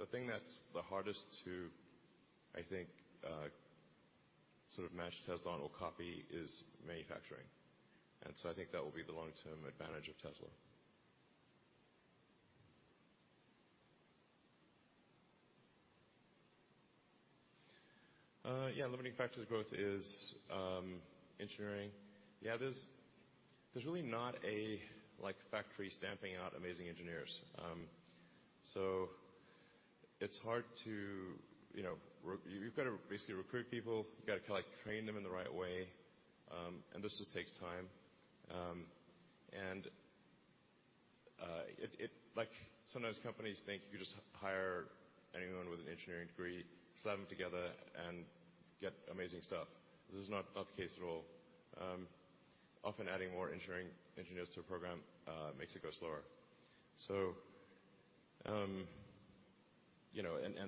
S8: The thing that's the hardest to, I think, match Tesla on or copy is manufacturing. I think that will be the long-term advantage of Tesla. Yeah, limiting factor to growth is engineering. Yeah, there's really not a factory stamping out amazing engineers. It's hard to You've got to basically recruit people, you've got to train them in the right way, and this just takes time. Sometimes companies think you can just hire anyone with an engineering degree, slap them together, and get amazing stuff. This is not the case at all. Often adding more engineers to a program makes it go slower.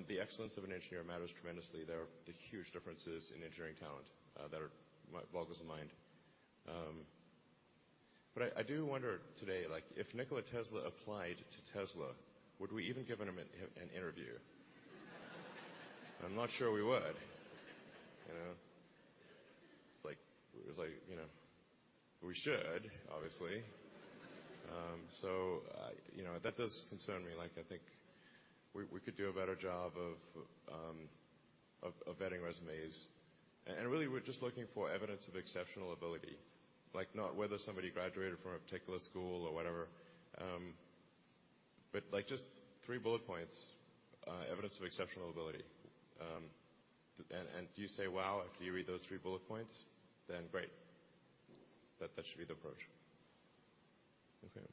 S8: The excellence of an engineer matters tremendously. There are huge differences in engineering talent that are boggles the mind. I do wonder today, if Nikola Tesla applied to Tesla, would we even give him an interview? I'm not sure we would. We should, obviously. That does concern me. I think we could do a better job of vetting resumes. Really, we're just looking for evidence of exceptional ability. Not whether somebody graduated from a particular school or whatever, but just three bullet points, evidence of exceptional ability. If you say, "Wow," after you read those three bullet points, then great. That should be the approach. Okay.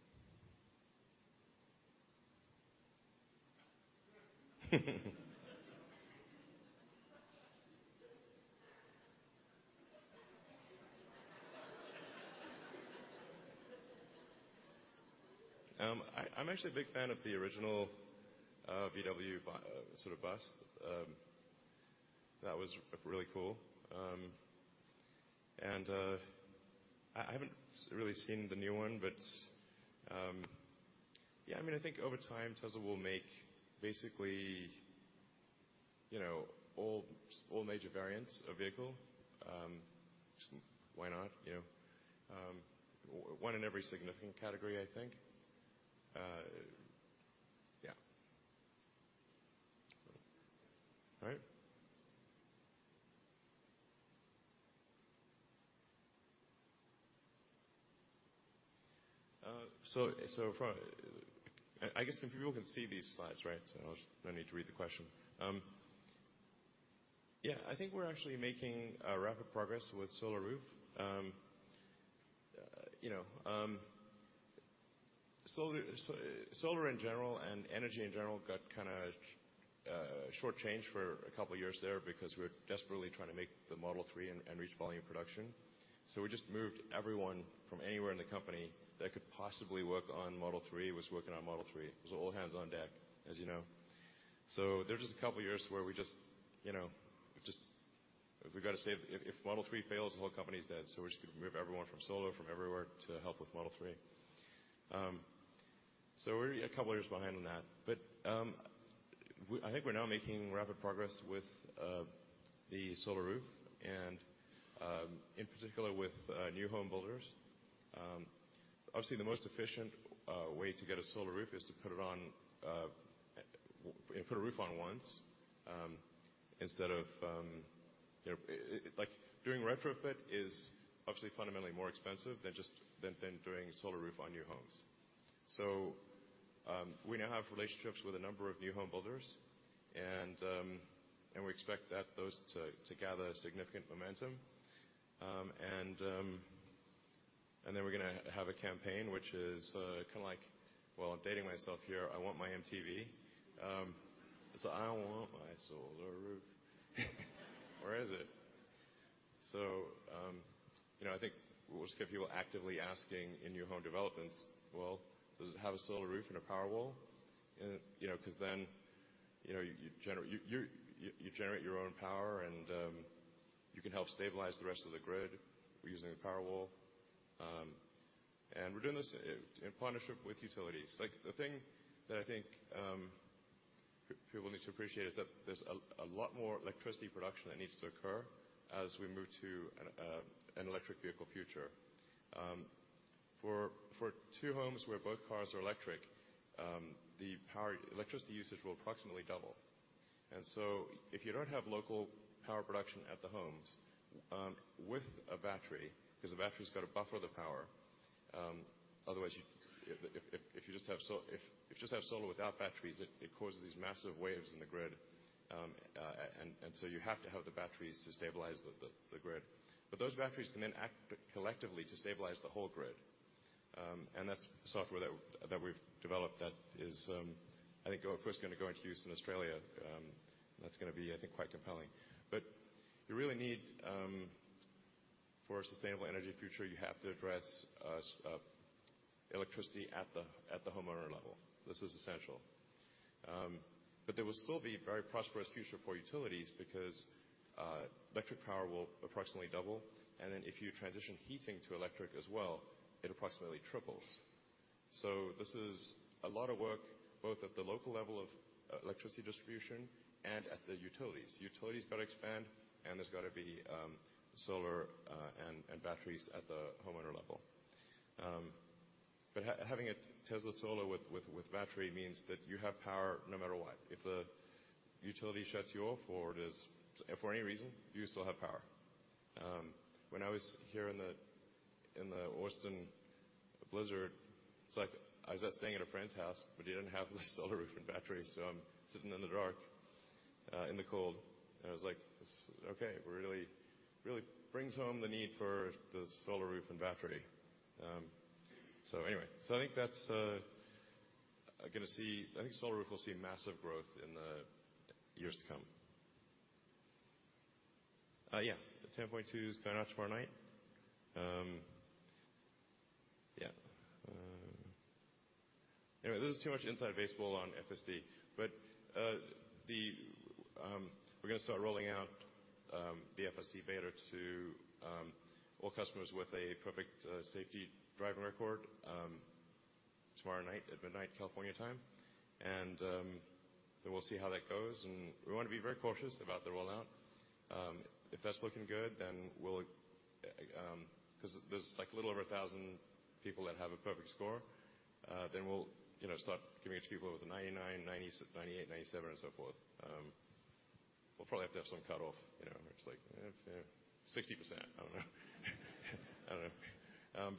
S8: I'm actually a big fan of the original VW bus. That was really cool. I haven't really seen the new one, I think over time, Tesla will make basically all major variants of vehicle. Why not? One in every significant category, I think. Yeah. All right. I guess people can see these slides, right? I need to read the question. Yeah, I think we're actually making rapid progress with Solar Roof. Solar in general and energy in general got short-changed for two years there because we were desperately trying to make the Model 3 and reach volume production. We just moved everyone from anywhere in the company that could possibly work on Model 3 was working on Model 3. It was all hands on deck, as you know. There were just a couple of years where we just, if Model 3 fails, the whole company's dead, we just move everyone from Solar, from everywhere to help with Model 3. We're a couple of years behind on that. I think we're now making rapid progress with the Solar Roof and, in particular, with new-home builders. Obviously, the most efficient way to get a Solar Roof is to put a roof on once instead of Doing retrofit is obviously fundamentally more expensive than doing Solar Roof on new homes. We now have relationships with a number of new-home builders, and we expect those to gather significant momentum. We're going to have a campaign which is kind of like, well, I'm dating myself here, "I want my MTV." It's, "I want my Solar Roof." Where is it? I think we'll just get people actively asking in new-home developments, "Well, does it have a Solar Roof and a Powerwall?" Because then you generate your own power and you can help stabilize the rest of the grid using the Powerwall. We're doing this in partnership with utilities. The thing that I think people need to appreciate is that there's a lot more electricity production that needs to occur as we move to an electric vehicle future. For two homes where both cars are electric, the electricity usage will approximately double. If you don't have local power production at the homes with a battery, because the battery's got to buffer the power, otherwise if you just have solar without batteries, it causes these massive waves in the grid. You have to have the batteries to stabilize the grid. Those batteries can then act collectively to stabilize the whole grid. That's software that we've developed that is, I think, first going to go into use in Australia. That's going to be, I think, quite compelling. For a sustainable energy future, you have to address electricity at the homeowner level. This is essential. There will still be a very prosperous future for utilities because electric power will approximately double, and then if you transition heating to electric as well, it approximately triples. This is a lot of work, both at the local level of electricity distribution and at the utilities. Utilities got to expand, and there's got to be solar and batteries at the homeowner level. Having a Tesla Solar with battery means that you have power no matter what. If the utility shuts you off for any reason, you still have power. When I was here in the Austin blizzard, I was just staying at a friend's house, but he didn't have the Solar Roof and battery, so I'm sitting in the dark, in the cold, and I was like, "Okay, really brings home the need for the Solar Roof and battery." Anyway. I think Solar Roof will see massive growth in the years to come. The 10.2 is going out tomorrow night. Anyway, this is too much inside baseball on FSD, but we're going to start rolling out the FSD Beta to all customers with a perfect safety driving record tomorrow night at midnight, California time. Then we'll see how that goes, and we want to be very cautious about the rollout. If that's looking good. There's a little over 1,000 people that have a perfect score, we'll start giving it to people with a 99, 98, 97, and so forth. We'll probably have to have some cut-off, which is like 60%, I don't know. I don't know.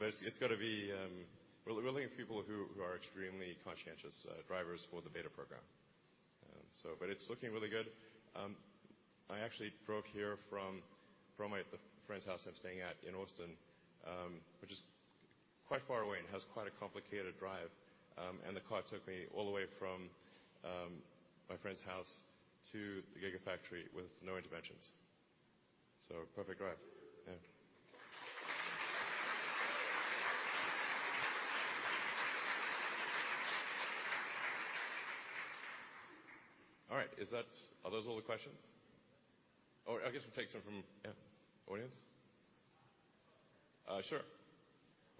S8: We're looking at people who are extremely conscientious drivers for the beta program. It's looking really good. I actually drove here from the friend's house I'm staying at in Austin, which is quite far away and has quite a complicated drive. The car took me all the way from my friend's house to the Gigafactory with no interventions. A perfect drive. Yeah. All right. Are those all the questions? I guess we'll take some from, yeah, audience. Sure.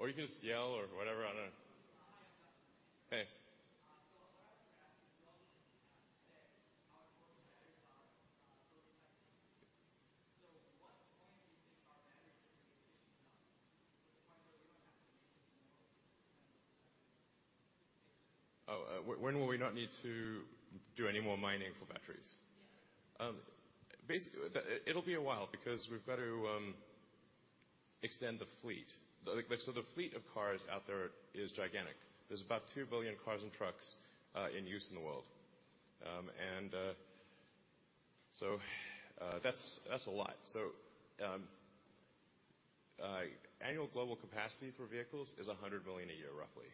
S8: You can just yell or whatever. I don't know. Hey When will we not have to do any more mining for batteries? Oh, when will we not need to do any more mining for batteries?
S9: Yeah.
S8: Basically, it'll be a while because we've got to extend the fleet. The fleet of cars out there is gigantic. There's about 2 billion cars and trucks in use in the world. That's a lot. Annual global capacity for vehicles is 100 million a year, roughly,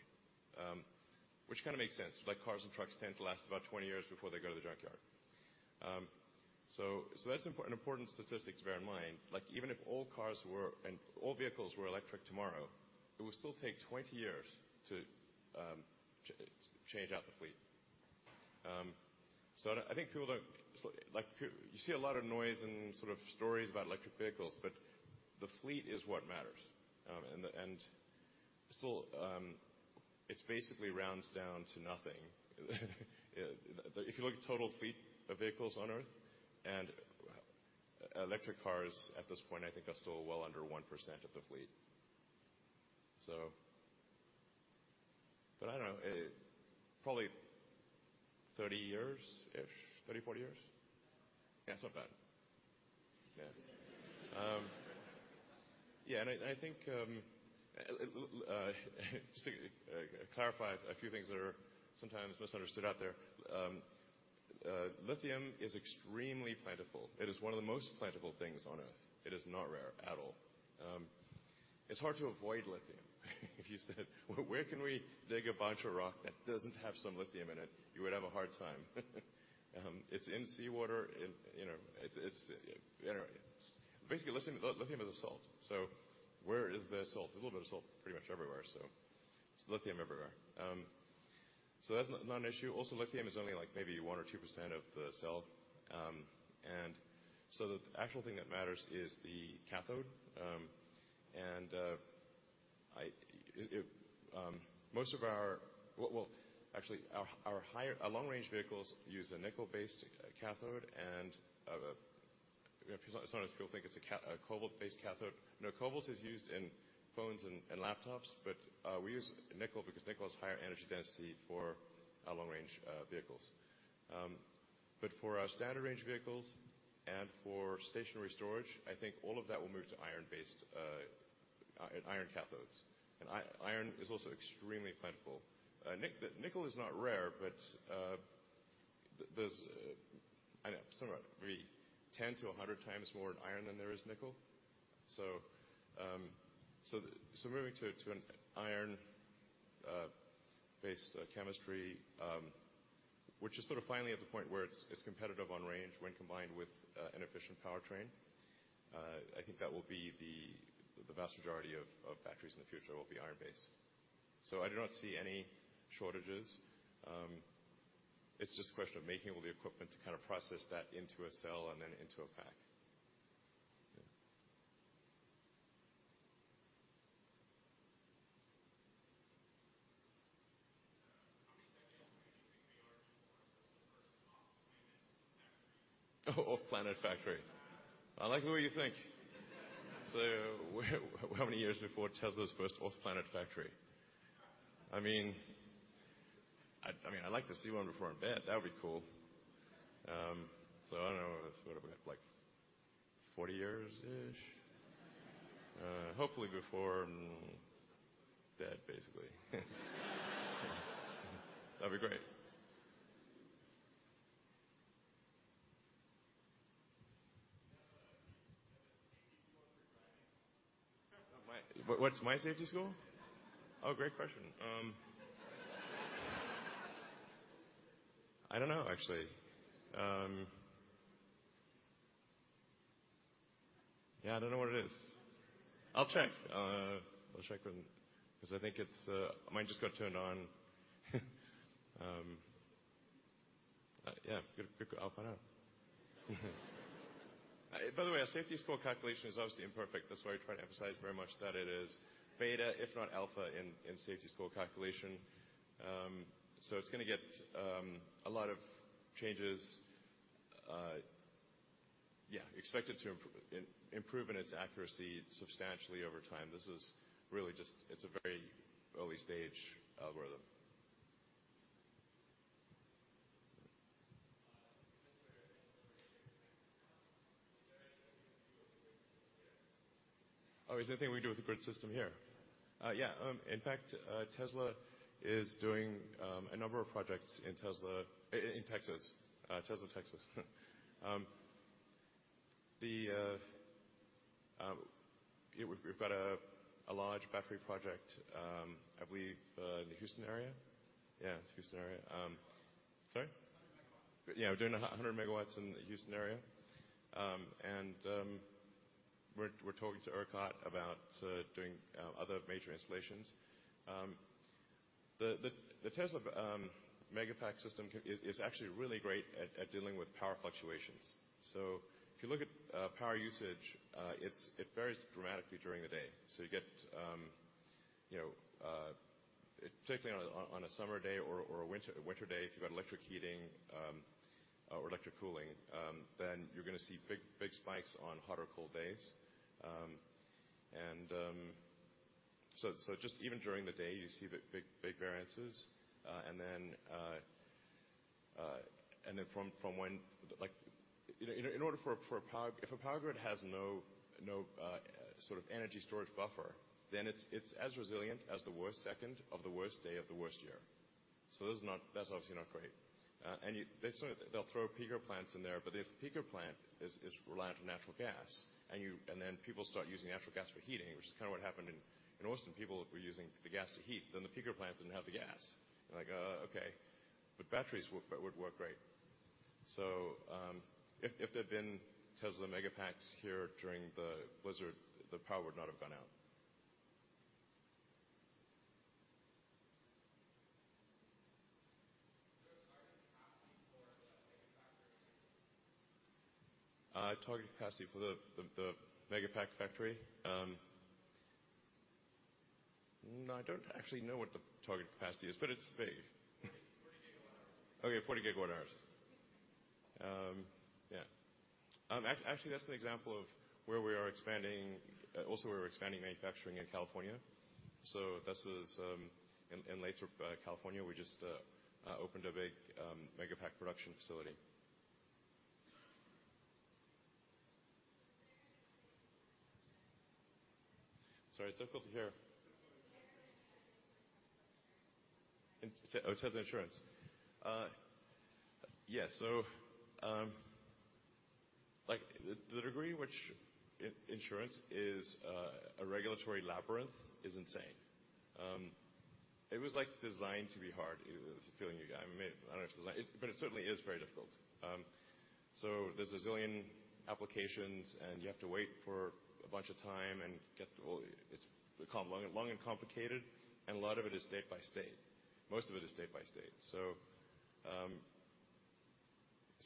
S8: which kind of makes sense. Cars and trucks tend to last about 20 years before they go to the junkyard. That's an important statistic to bear in mind. Even if all cars were, and all vehicles were electric tomorrow, it would still take 20 years to change out the fleet. You see a lot of noise and sort of stories about electric vehicles, but the fleet is what matters. Still, it basically rounds down to nothing. If you look at total fleet of vehicles on Earth, and electric cars at this point, I think, are still well under 1% of the fleet. I don't know. Probably 30 years-ish. 30, 40 years. Yeah, it's not bad. Yeah. Yeah, I think to clarify a few things that are sometimes misunderstood out there, lithium is extremely plentiful. It is one of the most plentiful things on Earth. It is not rare at all. It's hard to avoid lithium. If you said, "Where can we dig a bunch of rock that doesn't have some lithium in it?" You would have a hard time. It's in seawater. Basically, lithium is a salt. Where is there salt? There's a little bit of salt pretty much everywhere. There's lithium everywhere. That's not an issue. Also, lithium is only maybe 1% or 2% of the cell. The actual thing that matters is the cathode. Actually, our long-range vehicles use a nickel-based cathode and sometimes people think it's a cobalt-based cathode. No, cobalt is used in phones and laptops, but we use nickel because nickel has higher energy density for our long-range vehicles. For our standard range vehicles and for stationary storage, I think all of that will move to iron cathodes. Iron is also extremely plentiful. Nickel is not rare, but there's, I don't know, somewhere between 10x-100x more iron than there is nickel. Moving to an iron-based chemistry, which is sort of finally at the point where it's competitive on range when combined with an efficient powertrain. I think that will be the vast majority of batteries in the future will be iron-based. I do not see any shortages. It's just a question of making all the equipment to process that into a cell and then into a pack. Yeah.
S9: How many decades do you think we are before Tesla's first off-planet factory? Off-planet factory.
S8: I like the way you think. How many years before Tesla's first off-planet factory? I'd like to see one before I'm dead. That would be cool. I don't know. What do we have, like 40 years-ish? Hopefully before I'm dead, basically. That'd be great.
S9: Do you have a safety score for driving?\
S8: What's my safety score? Yeah. Oh, great question. I don't know, actually. Yeah, I don't know what it is. I'll check. Mine just got turned on. Yeah, I'll find out. By the way, our safety score calculation is obviously imperfect. That's why we try to emphasize very much that it is beta, if not alpha, in safety score calculation. It's going to get a lot of changes. Yeah, expect it to improve in its accuracy substantially over time. This is really just a very early-stage algorithm. Is there anything you can do with the grid system here? Oh, is there anything we can do with the grid system here? Yeah. In fact, Tesla is doing a number of projects in Texas. Tesla Texas. We've got a large battery project, I believe, in the Houston area. Yeah, it's Houston area. Sorry? 100 MW. Yeah, we're doing 100 MW in the Houston area. We're talking to ERCOT about doing other major installations. The Tesla Megapack system is actually really great at dealing with power fluctuations. If you look at power usage, it varies dramatically during the day. Particularly on a summer day or a winter day, if you've got electric heating or electric cooling, then you're going to see big spikes on hot or cold days. Just even during the day, you see the big variances. If a power grid has no sort of energy storage buffer, then it's as resilient as the worst second of the worst day of the worst year. That's obviously not great. They'll throw peaker plants in there, but if the peaker plant is reliant on natural gas and then people start using natural gas for heating, which is kind of what happened in Austin, people were using the gas to heat, then the peaker plants didn't have the gas. You're like, "Oh, okay." Batteries would work great. If there'd been Tesla Megapacks here during the blizzard, the power would not have gone out.
S9: Is there a target capacity for the Megapack factory in Texas?
S8: Target capacity for the Megapack factory? No, I don't actually know what the target capacity is, but it's big.
S9: 40 GWh.
S8: Okay, 40 GWh. Yeah. Actually, that's an example of where we are expanding. We're expanding manufacturing in California. This is in Lathrop, California. We just opened a big Megapack production facility.
S9: Where is Tesla Insurance available currently?
S8: Sorry, it's difficult to hear.
S9: Where is Tesla Insurance available currently?
S8: Oh, Tesla Insurance. Yeah, the degree to which insurance is a regulatory labyrinth is insane. It was designed to be hard is the feeling you get. I mean, I don't know if it's designed, but it certainly is very difficult. There's a zillion applications, and you have to wait for a bunch of time. It's long and complicated, and a lot of it is state by state. Most of it is state by state.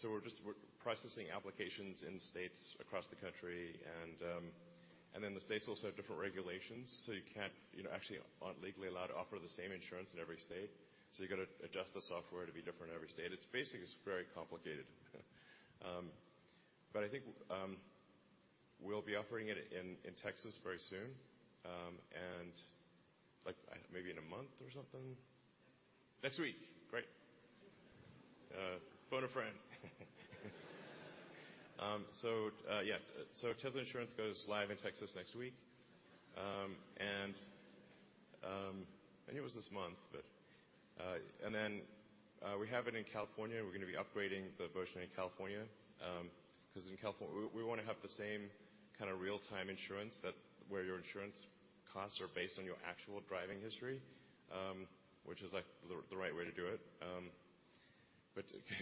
S8: We're processing applications in states across the country. The states also have different regulations, you can't actually, aren't legally allowed to offer the same insurance in every state. You've got to adjust the software to be different in every state. It's very complicated. I think we'll be offering it in Texas very soon, maybe in a month or something.
S9: Next week.
S8: Next week. Great. Phone a friend. Yeah. Tesla Insurance goes live in Texas next week. I think it was this month, but we have it in California. We're going to be upgrading the version in California because we want to have the same kind of real-time insurance where your insurance costs are based on your actual driving history, which is the right way to do it.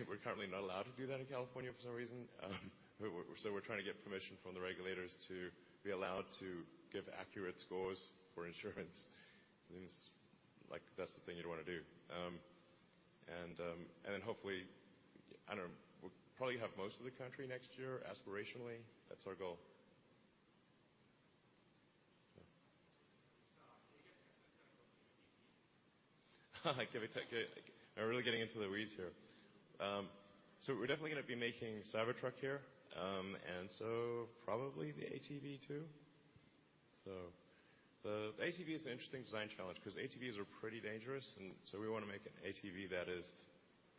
S8: We're currently not allowed to do that in California for some reason, we're trying to get permission from the regulators to be allowed to give accurate scores for insurance. That's the thing you'd want to do. Hopefully, I don't know, we'll probably have most of the country next year, aspirationally. That's our goal. Yeah.
S9: Can you give us a timeline for the Cyberquad?
S8: Now we're really getting into the weeds here. We're definitely going to be making Cybertruck here. Probably the Cyberquad too. The Cyberquad is an interesting design challenge because ATVs are pretty dangerous, and so we want to make an Cyberquad that is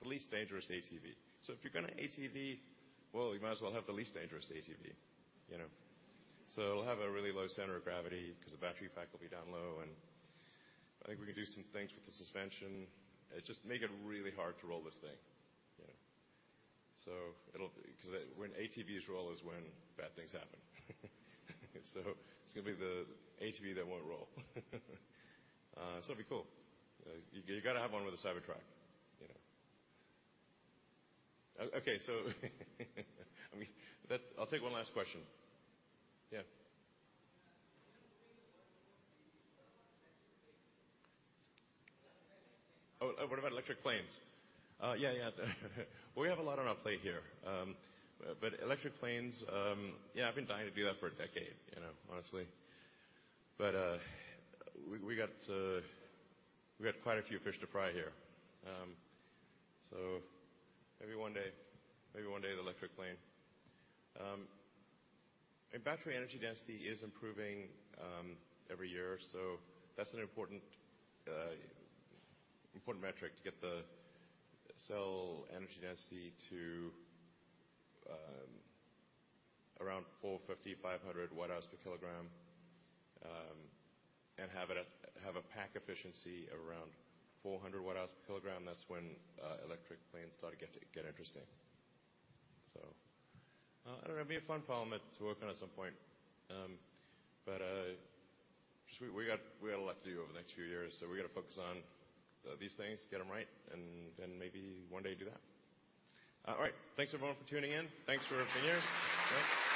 S8: the least dangerous Cyberquad. If you're going to Cyberquad, well, you might as well have the least dangerous Cyberquad. It'll have a really low center of gravity because the battery pack will be down low, and I think we can do some things with the suspension. Just make it really hard to roll this thing. Because when ATVs roll is when bad things happen. It's going to be the Cyberquad that won't roll. It'll be cool. You got to have one with a Cybertruck. Okay, so I'll take one last question. Yeah.
S9: You have the trains, the buses. What about electric planes?
S8: Oh, what about electric planes? Yeah. Well, we have a lot on our plate here. Electric planes, yeah, I've been dying to do that for a decade, honestly. We got quite a few fish to fry here. Maybe one day. Maybe one day, the electric plane. Battery energy density is improving every year, so that's an important metric to get the cell energy density to around 450 Wh/kg, 500 Wh/kg, and have a pack efficiency around 400 Wh/kg. That's when electric planes start to get interesting. I don't know, it'll be a fun problem to work on at some point. We got a lot to do over the next few years, so we've got to focus on these things, get them right, and then maybe one day do that. All right. Thanks, everyone, for tuning in. Thanks for being here. Yeah.